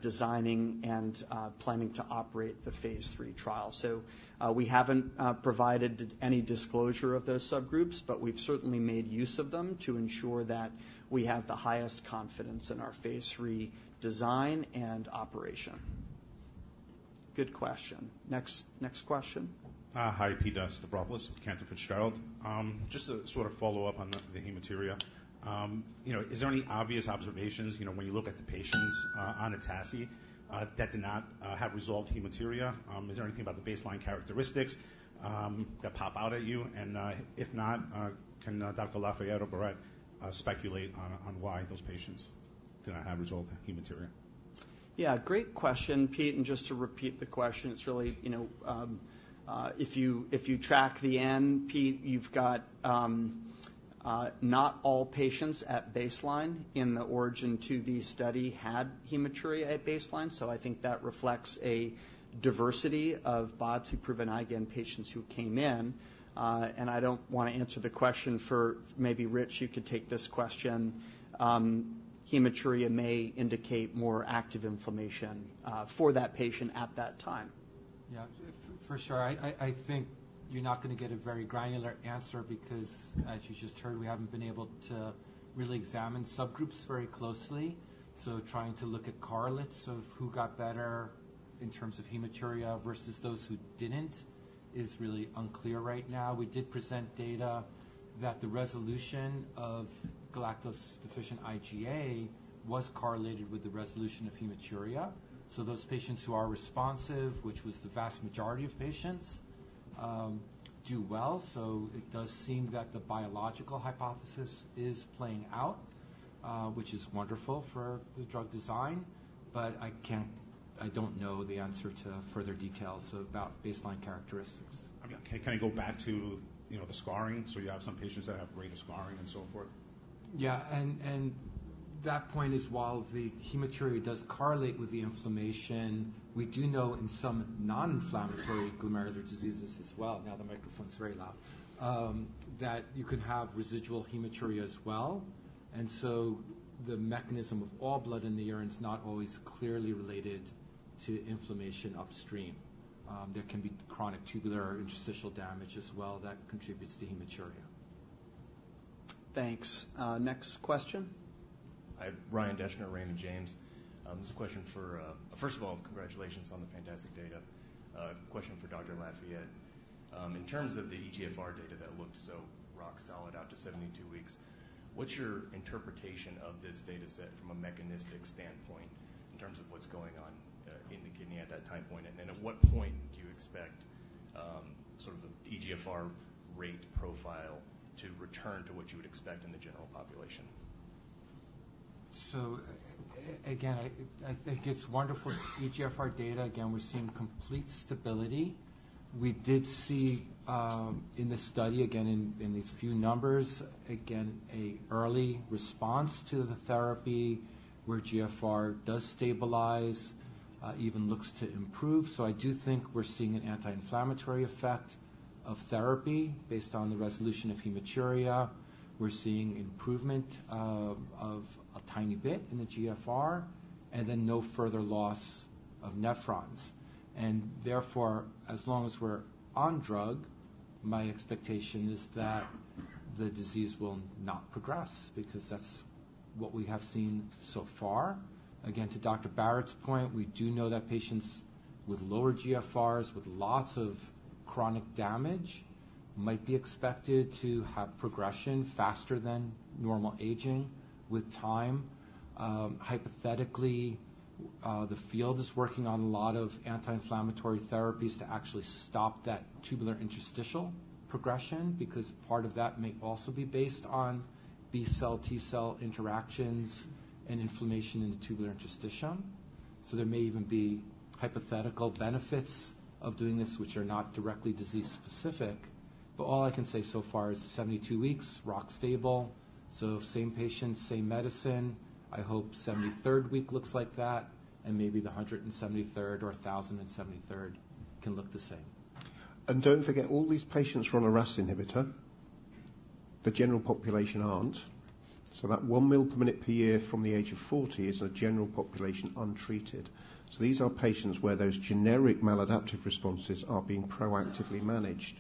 A: designing and planning to operate the phase III trial. So, we haven't provided any disclosure of those subgroups, but we've certainly made use of them to ensure that we have the highest confidence in our phase III design and operation. Good question. Next, next question?
H: Hi, Pete Stavropoulos with Cantor Fitzgerald. Just to sort of follow up on the hematuria. You know, is there any obvious observations, you know, when you look at the patients on atacicept that did not have resolved hematuria? Is there anything about the baseline characteristics that pop out at you? If not, can Dr. Lafayette or Barratt speculate on why those patients did not have resolved hematuria?
A: Yeah, great question, Pete. And just to repeat the question, it's really, you know, if you track the end, Pete, you've got not all patients at baseline in the ORIGIN 2b study had hematuria at baseline, so I think that reflects a diversity of biopsy-proven IgA patients who came in. And I don't want to answer the question for... Maybe Rich, you could take this question. Hematuria may indicate more active inflammation for that patient at that time.
C: Yeah, for sure. I think you're not going to get a very granular answer because, as you just heard, we haven't been able to really examine subgroups very closely. So trying to look at correlates of who got better in terms of hematuria versus those who didn't is really unclear right now. We did present data that the resolution of galactose-deficient IgA was correlated with the resolution of hematuria. So those patients who are responsive, which was the vast majority of patients, do well. So it does seem that the biological hypothesis is playing out, which is wonderful for the drug design, but I can't. I don't know the answer to further details about baseline characteristics.
H: Okay. Can I go back to, you know, the scarring? So you have some patients that have greater scarring and so forth.
C: Yeah, and, and that point is, while the hematuria does correlate with the inflammation, we do know in some non-inflammatory glomerular diseases as well, now the microphone's very loud, that you can have residual hematuria as well. And so the mechanism of all blood in the urine is not always clearly related to inflammation upstream. There can be chronic tubular or interstitial damage as well that contributes to hematuria.
A: Thanks. Next question?
I: Hi, Ryan Deschner, Raymond James. This is a question for... First of all, congratulations on the fantastic data. Question for Dr. Lafayette. In terms of the eGFR data that looked so rock solid out to 72 weeks, what's your interpretation of this data set from a mechanistic standpoint in terms of what's going on in the kidney at that time point? And then at what point do you expect sort of the eGFR rate profile to return to what you would expect in the general population?
C: So again, I think it's wonderful eGFR data. Again, we're seeing complete stability. We did see, in this study, again, in these few numbers, again, an early response to the therapy where GFR does stabilize, even looks to improve. So I do think we're seeing an anti-inflammatory effect of therapy based on the resolution of hematuria. We're seeing improvement of a tiny bit in the GFR and then no further loss of nephrons. And therefore, as long as we're on drug, my expectation is that the disease will not progress because that's what we have seen so far. Again, to Dr. Barratt's point, we do know that patients with lower GFRs, with lots of chronic damage, might be expected to have progression faster than normal aging with time. Hypothetically, the field is working on a lot of anti-inflammatory therapies to actually stop that tubular interstitial progression, because part of that may also be based on B-cell, T-cell interactions and inflammation in the tubular interstitium. So there may even be hypothetical benefits of doing this, which are not directly disease-specific. But all I can say so far is 72 weeks, rock stable. So same patients, same medicine. I hope 73rd week looks like that, and maybe the 173rd or 1,073rd can look the same.
B: And don't forget, all these patients were on a RAS inhibitor. The general population aren't. So that 1 mL per minute per year from the age of 40 is a general population untreated. So these are patients where those generic maladaptive responses are being proactively managed.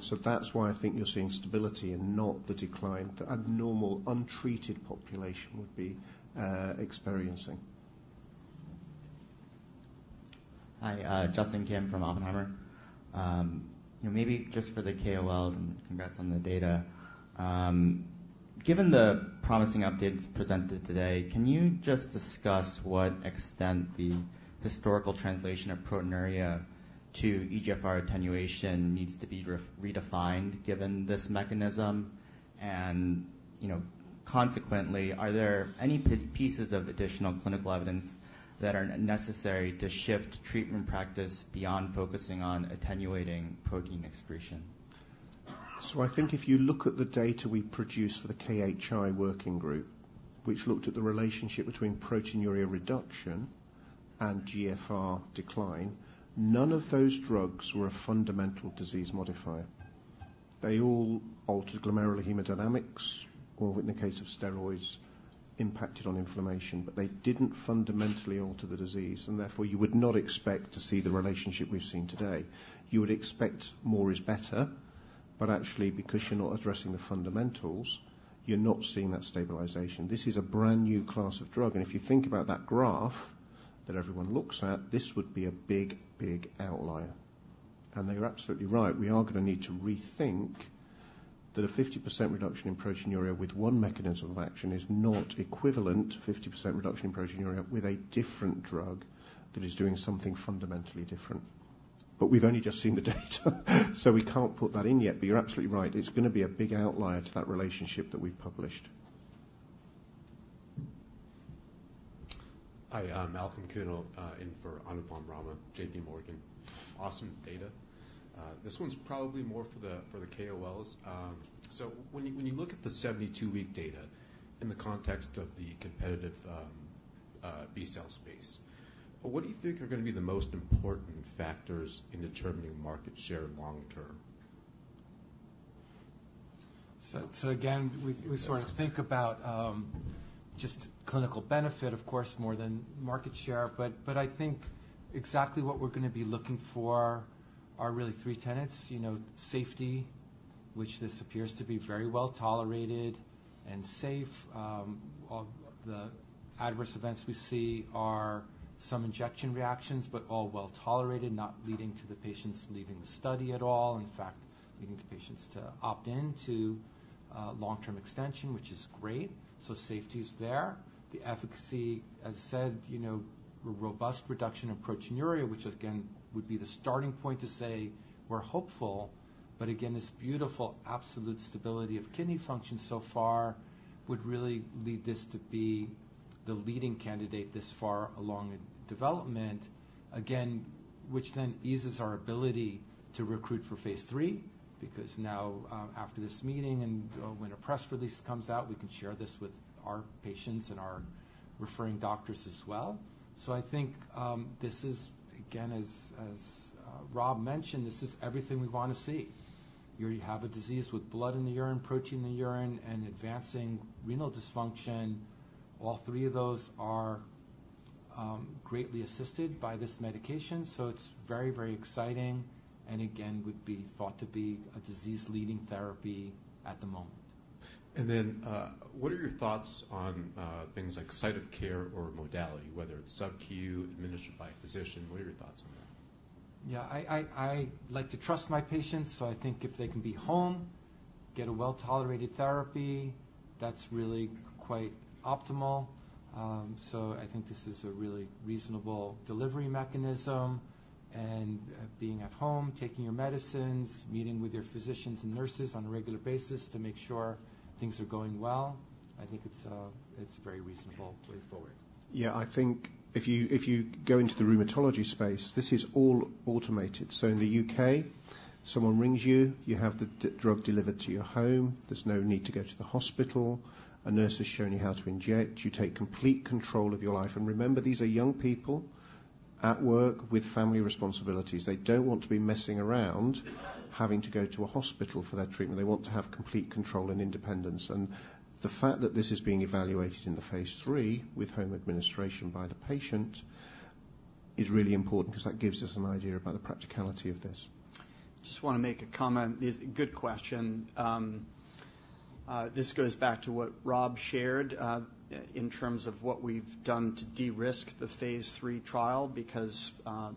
B: So that's why I think you're seeing stability and not the decline that a normal, untreated population would be experiencing.
J: Hi, Justin Kim from Oppenheimer. You know, maybe just for the KOLs, and congrats on the data. Given the promising updates presented today, can you just discuss what extent the historical translation of proteinuria to eGFR attenuation needs to be redefined, given this mechanism? And, you know, consequently, are there any pieces of additional clinical evidence that are necessary to shift treatment practice beyond focusing on attenuating protein excretion?
B: So I think if you look at the data we produced for the KDIGO working group, which looked at the relationship between proteinuria reduction and GFR decline, none of those drugs were a fundamental disease modifier. They all altered glomerular hemodynamics, or in the case of steroids, impacted on inflammation, but they didn't fundamentally alter the disease, and therefore, you would not expect to see the relationship we've seen today. You would expect more is better, but actually, because you're not addressing the fundamentals, you're not seeing that stabilization. This is a brand-new class of drug, and if you think about that graph that everyone looks at, this would be a big, big outlier. You're absolutely right, we are going to need to rethink that a 50% reduction in proteinuria with one mechanism of action is not equivalent to 50% reduction in proteinuria with a different drug that is doing something fundamentally different. We've only just seen the data, so we can't put that in yet. You're absolutely right, it's going to be a big outlier to that relationship that we've published.
K: Hi, I'm Malcolm Kuno, in for Anupam Rama, JPMorgan. Awesome data. This one's probably more for the, for the KOLs. So when you, when you look at the 72-week data in the context of the competitive, B-cell space, what do you think are going to be the most important factors in determining market share long term?
C: So again, we sort of think about just clinical benefit, of course, more than market share. But I think exactly what we're going to be looking for are really three tenets. You know, safety, which this appears to be very well tolerated and safe. All the adverse events we see are some injection reactions, but all well tolerated, not leading to the patients leaving the study at all. In fact, leading to patients to opt in to long-term extension, which is great. So safety is there. The efficacy, as said, you know, robust reduction in proteinuria, which again, would be the starting point to say we're hopeful. But again, this beautiful, absolute stability of kidney function so far would really lead this to be the leading candidate this far along in development. Again, which then eases our ability to recruit for phase III, because now, after this meeting and, when a press release comes out, we can share this with our patients and our referring doctors as well. So I think, this is, again, as, as, Rob mentioned, this is everything we want to see. You have a disease with blood in the urine, protein in the urine, and advancing renal dysfunction. All three of those are, greatly assisted by this medication, so it's very, very exciting, and again, would be thought to be a disease-leading therapy at the moment.
K: And then, what are your thoughts on things like site of care or modality, whether it's sub-Q administered by a physician, what are your thoughts on that?
C: Yeah, I like to trust my patients, so I think if they can be home, get a well-tolerated therapy, that's really quite optimal. So I think this is a really reasonable delivery mechanism. Being at home, taking your medicines, meeting with your physicians and nurses on a regular basis to make sure things are going well, I think it's a very reasonable way forward.
B: Yeah, I think if you, if you go into the rheumatology space, this is all automated. So in the UK, someone rings you, you have the drug delivered to your home. There's no need to go to the hospital. A nurse has shown you how to inject. You take complete control of your life. And remember, these are young people at work with family responsibilities. They don't want to be messing around, having to go to a hospital for their treatment. They want to have complete control and independence. And the fact that this is being evaluated in the phase 3 with home administration by the patient... is really important because that gives us an idea about the practicality of this.
A: I just want to make a comment. It's a good question. This goes back to what Rob shared in terms of what we've done to de-risk the phase III trial, because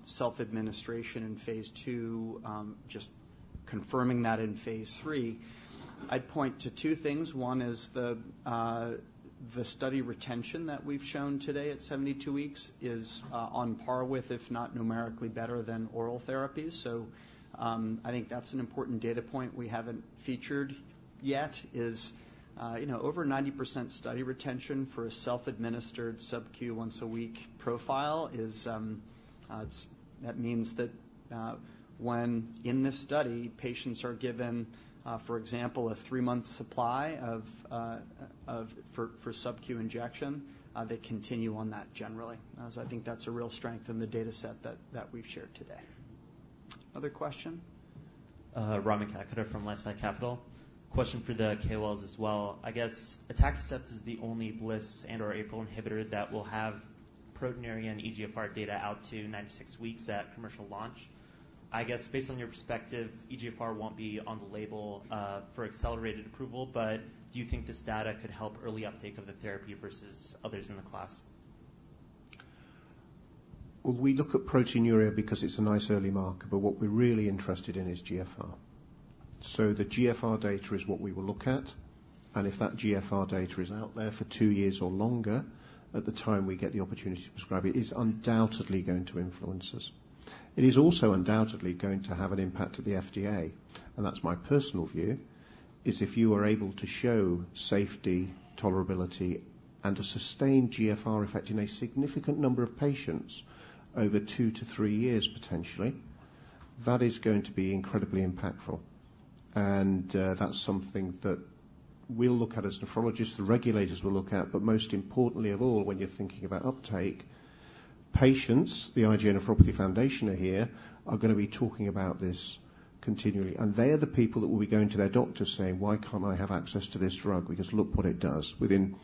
A: self-administration in phase II, just confirming that in phase III, I'd point to two things. One is the study retention that we've shown today at 72 weeks is on par with, if not numerically better than oral therapies. So I think that's an important data point we haven't featured yet, is, you know, over 90% study retention for a self-administered subQ once-a-week profile is. It's that means that when in this study, patients are given, for example, a three-month supply for subQ injection, they continue on that generally. I think that's a real strength in the data set that we've shared today. Other question?
L: Rami Katkhuda from LifeSci Capital. Question for the KOLs as well. I guess, atacicept is the only BAFF and/or APRIL inhibitor that will have proteinuria and eGFR data out to 96 weeks at commercial launch. I guess, based on your perspective, eGFR won't be on the label, for accelerated approval, but do you think this data could help early uptake of the therapy versus others in the class?
B: Well, we look at proteinuria because it's a nice early marker, but what we're really interested in is GFR. So the GFR data is what we will look at, and if that GFR data is out there for two years or longer at the time we get the opportunity to prescribe it, it's undoubtedly going to influence us. It is also undoubtedly going to have an impact to the FDA, and that's my personal view, is if you are able to show safety, tolerability, and a sustained GFR effect in a significant number of patients over two to three years, potentially, that is going to be incredibly impactful. And that's something that we'll look at as nephrologists, the regulators will look at. But most importantly of all, when you're thinking about uptake, patients, the IgA Nephropathy Foundation are here, are going to be talking about this continually, and they are the people that will be going to their doctors saying, "Why can't I have access to this drug? Because look what it does." Within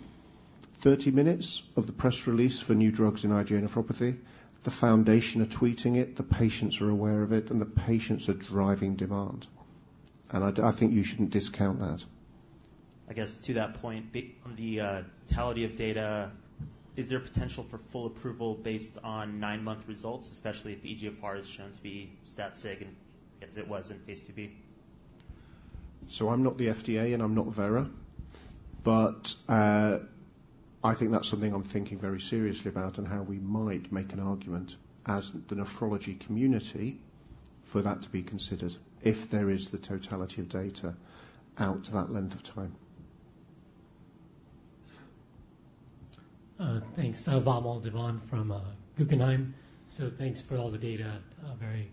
B: 30 minutes of the press release for new drugs in IgA nephropathy, the foundation are tweeting it, the patients are aware of it, and the patients are driving demand. And I think you shouldn't discount that.
L: I guess, to that point, based on the totality of data, is there potential for full approval based on nine-month results, especially if the eGFR is shown to be stat sig, as it was in phase IIb?
B: So I'm not the FDA, and I'm not Vera, but I think that's something I'm thinking very seriously about and how we might make an argument as the nephrology community for that to be considered if there is the totality of data out to that length of time.
M: Thanks. So Vamil Divan from Guggenheim. So thanks for all the data. Very,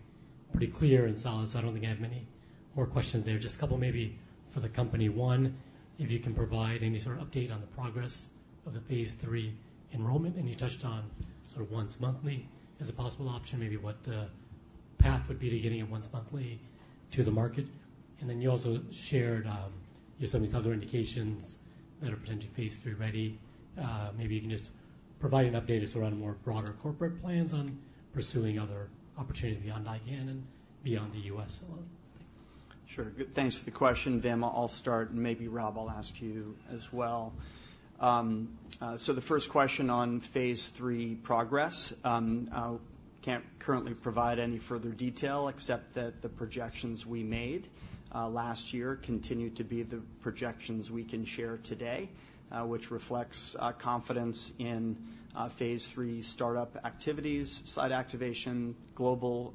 M: pretty clear and solid, so I don't think I have many more questions there. Just a couple maybe for the company. One, if you can provide any sort of update on the progress of the phase III enrollment, and you touched on sort of once monthly as a possible option, maybe what the path would be to getting it once monthly to the market. And then you also shared, you have some of these other indications that are potentially phase III-ready. Maybe you can just provide an update or sort of more broader corporate plans on pursuing other opportunities beyond IgAN and beyond the U.S. alone.
A: Sure. Good. Thanks for the question, Vamil. I'll start, and maybe, Rob, I'll ask you as well. So the first question on Phase III progress, I can't currently provide any further detail except that the projections we made last year continue to be the projections we can share today, which reflects our confidence in Phase III startup activities, site activation, global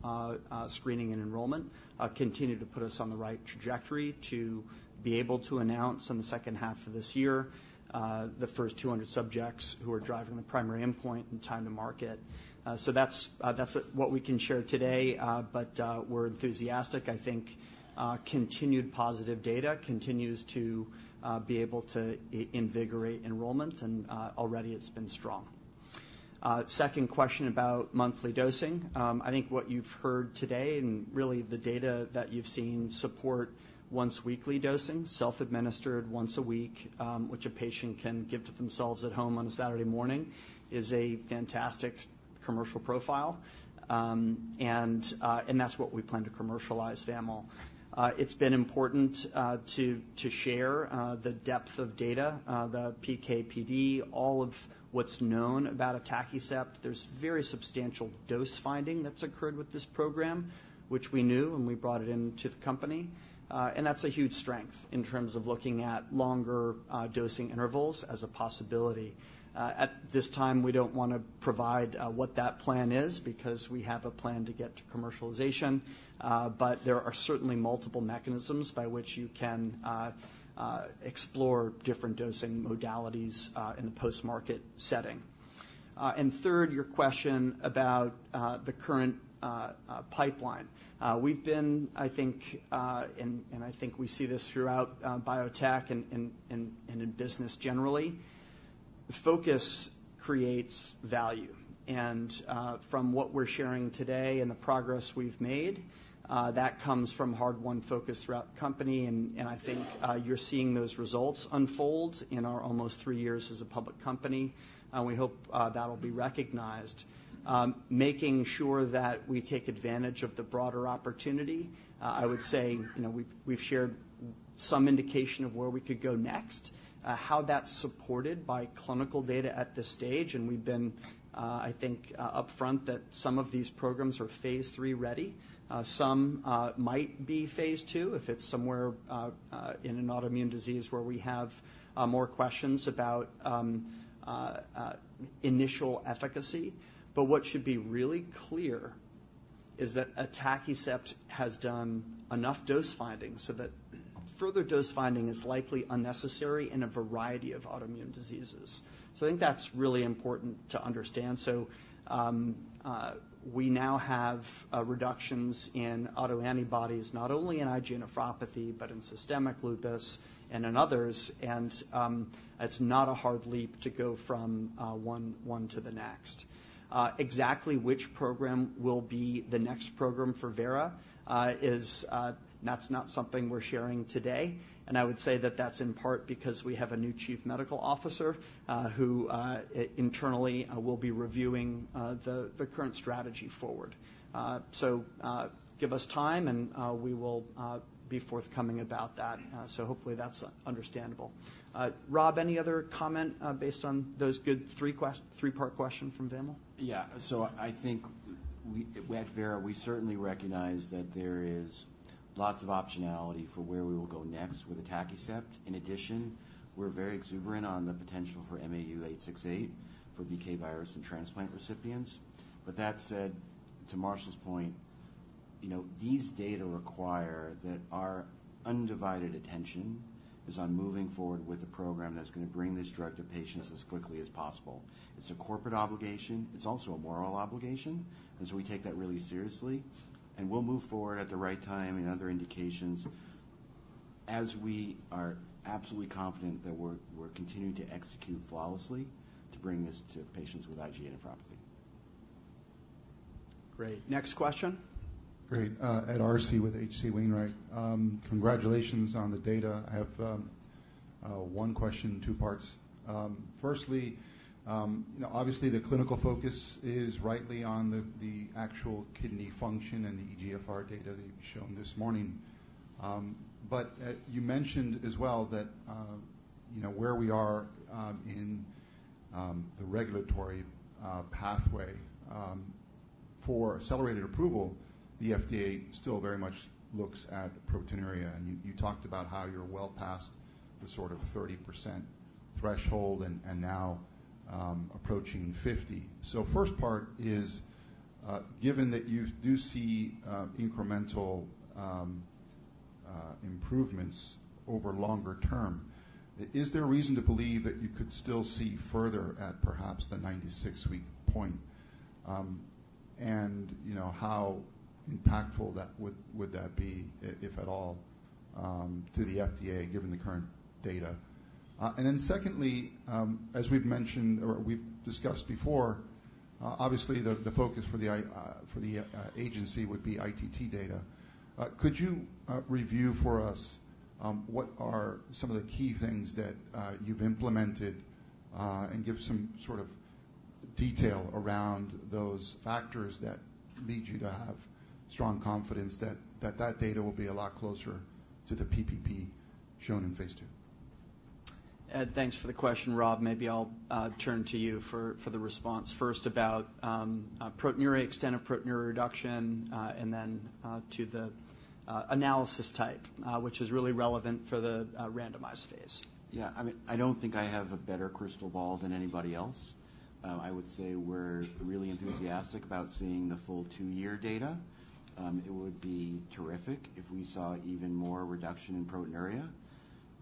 A: screening and enrollment continue to put us on the right trajectory to be able to announce in the second half of this year the first 200 subjects who are driving the primary endpoint and time to market. So that's what we can share today, but we're enthusiastic. I think continued positive data continues to be able to invigorate enrollment, and already it's been strong. Second question about monthly dosing. I think what you've heard today and really the data that you've seen support once weekly dosing, self-administered once a week, which a patient can give to themselves at home on a Saturday morning, is a fantastic commercial profile. That's what we plan to commercialize, Vamil. It's been important to share the depth of data, the PK/PD, all of what's known about atacicept. There's very substantial dose-finding that's occurred with this program, which we knew, and we brought it into the company. That's a huge strength in terms of looking at longer dosing intervals as a possibility. At this time, we don't want to provide what that plan is because we have a plan to get to commercialization, but there are certainly multiple mechanisms by which you can explore different dosing modalities in the post-market setting. Third, your question about the current pipeline. We've been, I think, and I think we see this throughout biotech and in business generally. Focus creates value. From what we're sharing today and the progress we've made, that comes from hard-won focus throughout the company, and I think you're seeing those results unfold in our almost three years as a public company. We hope that'll be recognized. Making sure that we take advantage of the broader opportunity, I would say, you know, we've shared some indication of where we could go next, how that's supported by clinical data at this stage, and we've been, I think, upfront that some of these programs are phase III ready. Some might be phase II, if it's somewhere in an autoimmune disease where we have more questions about initial efficacy. But what should be really clear is that atacicept has done enough dose finding so that further dose finding is likely unnecessary in a variety of autoimmune diseases. So I think that's really important to understand. So, we now have reductions in autoantibodies, not only in IgA nephropathy, but in systemic lupus and in others. It's not a hard leap to go from one to the next. Exactly which program will be the next program for Vera is, that's not something we're sharing today. And I would say that that's in part because we have a new Chief Medical Officer who internally will be reviewing the current strategy forward. So, give us time, and we will be forthcoming about that. So hopefully that's understandable. Rob, any other comment based on those good three-part question from Vamil?
D: Yeah. So I think we, at Vera, we certainly recognize that there is lots of optionality for where we will go next with atacicept. In addition, we're very exuberant on the potential for MAU868, for BK virus and transplant recipients. But that said, to Marshall's point, you know, these data require that our undivided attention is on moving forward with a program that's going to bring this drug to patients as quickly as possible. It's a corporate obligation, it's also a moral obligation, and so we take that really seriously, and we'll move forward at the right time and other indications as we are absolutely confident that we're continuing to execute flawlessly to bring this to patients with IgA nephropathy.
A: Great. Next question?
N: Great. Ed Arce with H.C. Wainwright. Congratulations on the data. I have one question, two parts. Firstly, you know, obviously, the clinical focus is rightly on the actual kidney function and the eGFR data that you've shown this morning. But you mentioned as well that, you know, where we are in the regulatory pathway for accelerated approval, the FDA still very much looks at proteinuria, and you talked about how you're well past the sort of 30% threshold and now approaching 50%. So first part is, given that you do see incremental improvements over longer term, is there a reason to believe that you could still see further at perhaps the 96-week point? And, you know, how impactful that would be, if at all, to the FDA, given the current data? And then secondly, as we've mentioned or we've discussed before, obviously, the focus for the agency would be ITT data. Could you review for us what are some of the key things that you've implemented and give some sort of detail around those factors that lead you to have strong confidence that that data will be a lot closer to the PPP shown in phase II?
A: Ed, thanks for the question. Rob, maybe I'll turn to you for the response first about proteinuria, extent of proteinuria reduction, and then to the analysis type, which is really relevant for the randomized phase.
D: Yeah. I mean, I don't think I have a better crystal ball than anybody else. I would say we're really enthusiastic about seeing the full two-year data. It would be terrific if we saw even more reduction in proteinuria.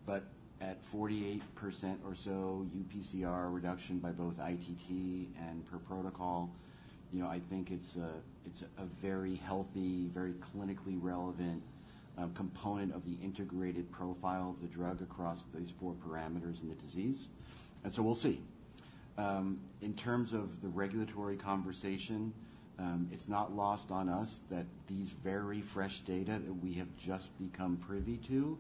D: But at 48% or so, UPCR reduction by both ITT and per protocol, you know, I think it's a, it's a very healthy, very clinically relevant component of the integrated profile of the drug across these four parameters in the disease. And so we'll see. In terms of the regulatory conversation, it's not lost on us that these very fresh data that we have just become privy to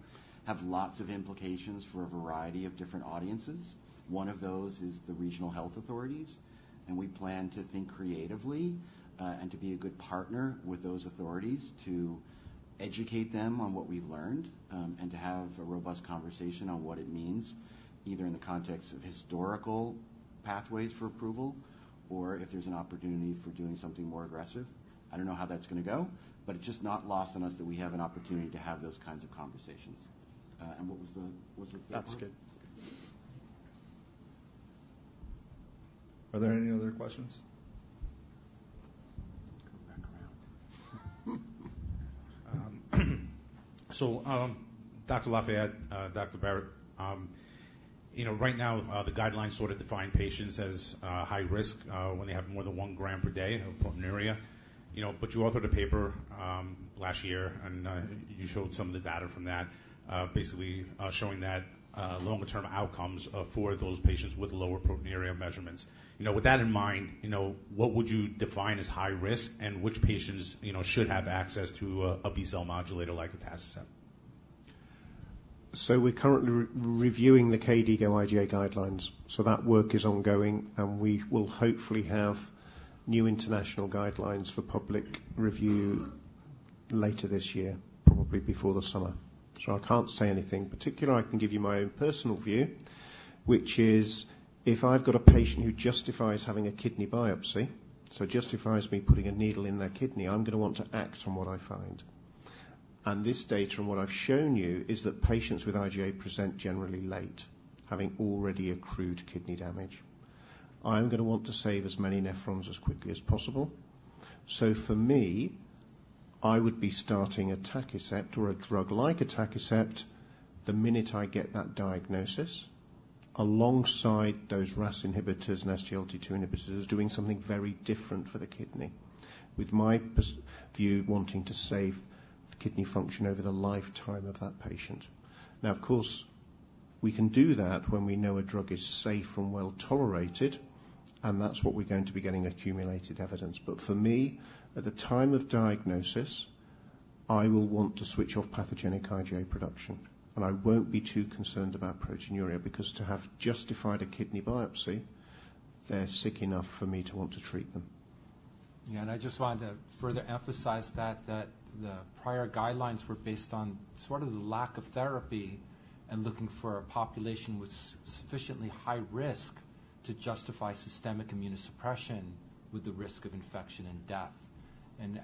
D: have lots of implications for a variety of different audiences. One of those is the regional health authorities, and we plan to think creatively, and to be a good partner with those authorities, to educate them on what we've learned, and to have a robust conversation on what it means, either in the context of historical pathways for approval or if there's an opportunity for doing something more aggressive. I don't know how that's going to go, but it's just not lost on us that we have an opportunity to have those kinds of conversations. And what was the... Was there-
N: That's good.
A: Are there any other questions?
H: So, Dr. Lafayette, Dr. Barratt, you know, right now, the guidelines sort of define patients as, high risk, when they have more than 1 gram per day of proteinuria. You know, but you authored a paper, last year, and, you showed some of the data from that, basically, showing that, longer-term outcomes, for those patients with lower proteinuria measurements. You know, with that in mind, you know, what would you define as high risk, and which patients, you know, should have access to, a B-cell modulator like atacicept?
B: So we're currently re-reviewing the KDIGO IgA guidelines, so that work is ongoing, and we will hopefully have new international guidelines for public review later this year, probably before the summer. So I can't say anything particular. I can give you my own personal view, which is if I've got a patient who justifies having a kidney biopsy, so justifies me putting a needle in their kidney, I'm going to want to act on what I find. And this data and what I've shown you is that patients with IgA present generally late, having already accrued kidney damage. I'm going to want to save as many nephrons as quickly as possible. So for me, I would be starting atacicept or a drug like atacicept the minute I get that diagnosis, alongside those RAS inhibitors and SGLT2 inhibitors, doing something very different for the kidney, with my personal view, wanting to save the kidney function over the lifetime of that patient. Now, of course, we can do that when we know a drug is safe and well-tolerated, and that's what we're going to be getting accumulated evidence. But for me, at the time of diagnosis, I will want to switch off pathogenic IgA production, and I won't be too concerned about proteinuria, because to have justified a kidney biopsy, they're sick enough for me to want to treat them.
C: Yeah, and I just wanted to further emphasize that the prior guidelines were based on sort of the lack of therapy and looking for a population with sufficiently high risk to justify systemic immunosuppression with the risk of infection and death.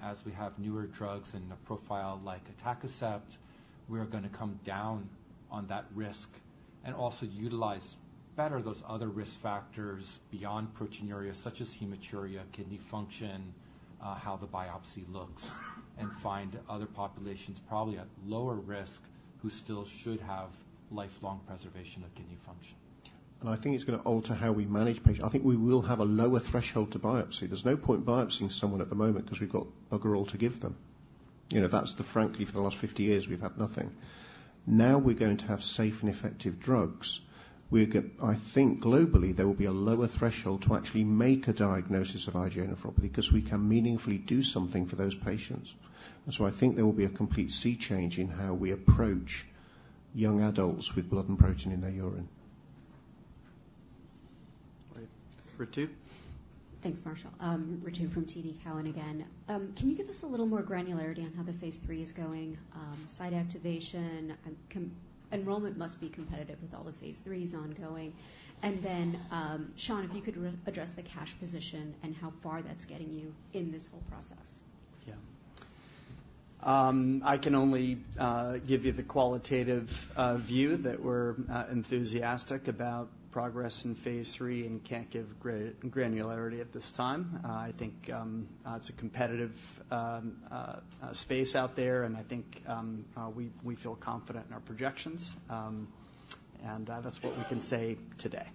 C: As we have newer drugs and a profile like atacicept, we are going to come down on that risk and also utilize better those other risk factors beyond proteinuria, such as hematuria, kidney function, how the biopsy looks, and find other populations, probably at lower risk, who still should have lifelong preservation of kidney function.
B: I think it's going to alter how we manage patients. I think we will have a lower threshold to biopsy. There's no point biopsying someone at the moment because we've got bugger all to give them. You know, that's the... frankly, for the last 50 years, we've had nothing. Now we're going to have safe and effective drugs. I think globally, there will be a lower threshold to actually make a diagnosis of IgA nephropathy because we can meaningfully do something for those patients. And so I think there will be a complete sea change in how we approach young adults with blood and protein in their urine.
O: Great. Ritu?
E: Thanks, Marshall. Ritu from TD Cowen again. Can you give us a little more granularity on how the phase III is going? Site activation, enrollment must be competitive with all the phase IIIs ongoing. And then, Sean, if you could readdress the cash position and how far that's getting you in this whole process.
O: Yeah.
A: I can only give you the qualitative view that we're enthusiastic about progress in Phase III and can't give granularity at this time. I think it's a competitive space out there, and I think we feel confident in our projections. That's what we can say today.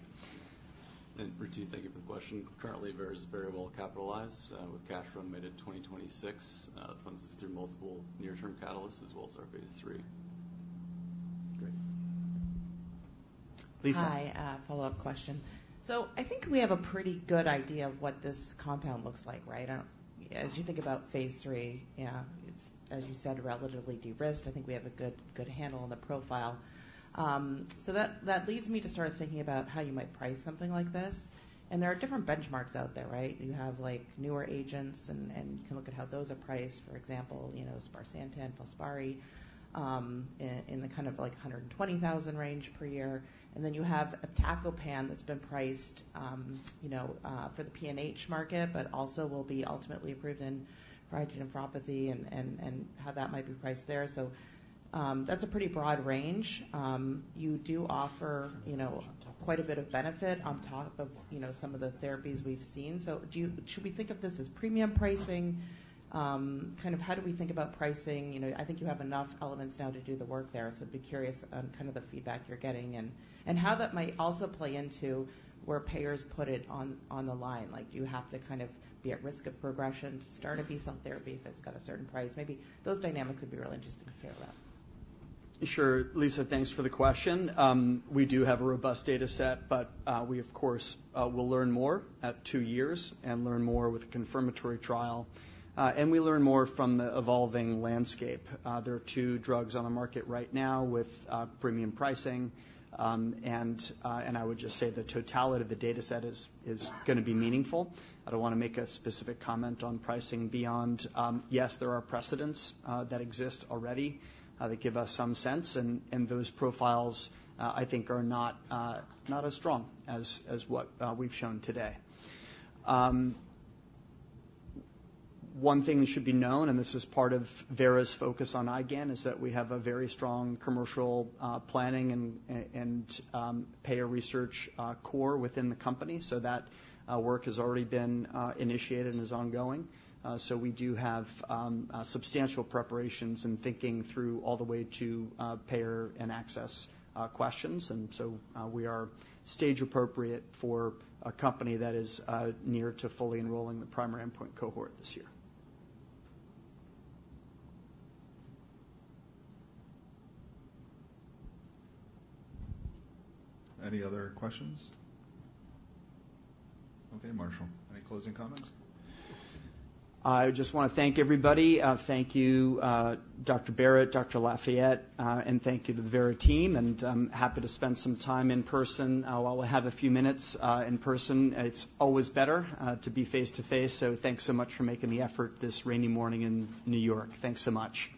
O: And Ritu, thank you for the question. Currently, Vera is very well capitalized, with cash flow made in 2026. It funds us through multiple near-term catalysts as well as our Phase III. Great. Lisa?
F: Hi, follow-up question. So I think we have a pretty good idea of what this compound looks like, right? As you think about phase III, yeah, it's as you said, relatively de-risked. I think we have a good, good handle on the profile. So that leads me to start thinking about how you might price something like this. And there are different benchmarks out there, right? You have, like, newer agents, and you can look at how those are priced. For example, you know, sparsentan, FILSPARI, in the kind of like $120,000 range per year. And then you have iptacopan that's been priced, you know, for the PNH market, but also will be ultimately approved in nephropathy and how that might be priced there. So, that's a pretty broad range. You do offer, you know, quite a bit of benefit on top of, you know, some of the therapies we've seen. So do you... Should we think of this as premium pricing? Kind of how do we think about pricing? You know, I think you have enough elements now to do the work there. So I'd be curious on kind of the feedback you're getting and, and how that might also play into where payers put it on, on the line. Like, do you have to kind of be at risk of progression to start a B-cell therapy if it's got a certain price? Maybe those dynamics would be really interesting to hear about.
A: Sure. Lisa, thanks for the question. We do have a robust data set, but, we of course, will learn more at two years and learn more with a confirmatory trial. And we learn more from the evolving landscape. There are two drugs on the market right now with, premium pricing. And, and I would just say the totality of the data set is, is going to be meaningful. I don't want to make a specific comment on pricing beyond, yes, there are precedents, that exist already, that give us some sense, and, and those profiles, I think, are not, not as strong as, as what, we've shown today. One thing that should be known, and this is part of Vera's focus on IgAN, is that we have a very strong commercial planning and payer research core within the company, so that work has already been initiated and is ongoing. So we do have substantial preparations and thinking through all the way to payer and access questions. And so, we are stage appropriate for a company that is near to fully enrolling the primary endpoint cohort this year.
O: Any other questions? Okay, Marshall, any closing comments?
A: I just want to thank everybody. Thank you, Dr. Barratt, Dr. Lafayette, and thank you to the Vera team, and I'm happy to spend some time in person. While I have a few minutes, in person, it's always better to be face to face. So thanks so much for making the effort this rainy morning in New York. Thanks so much.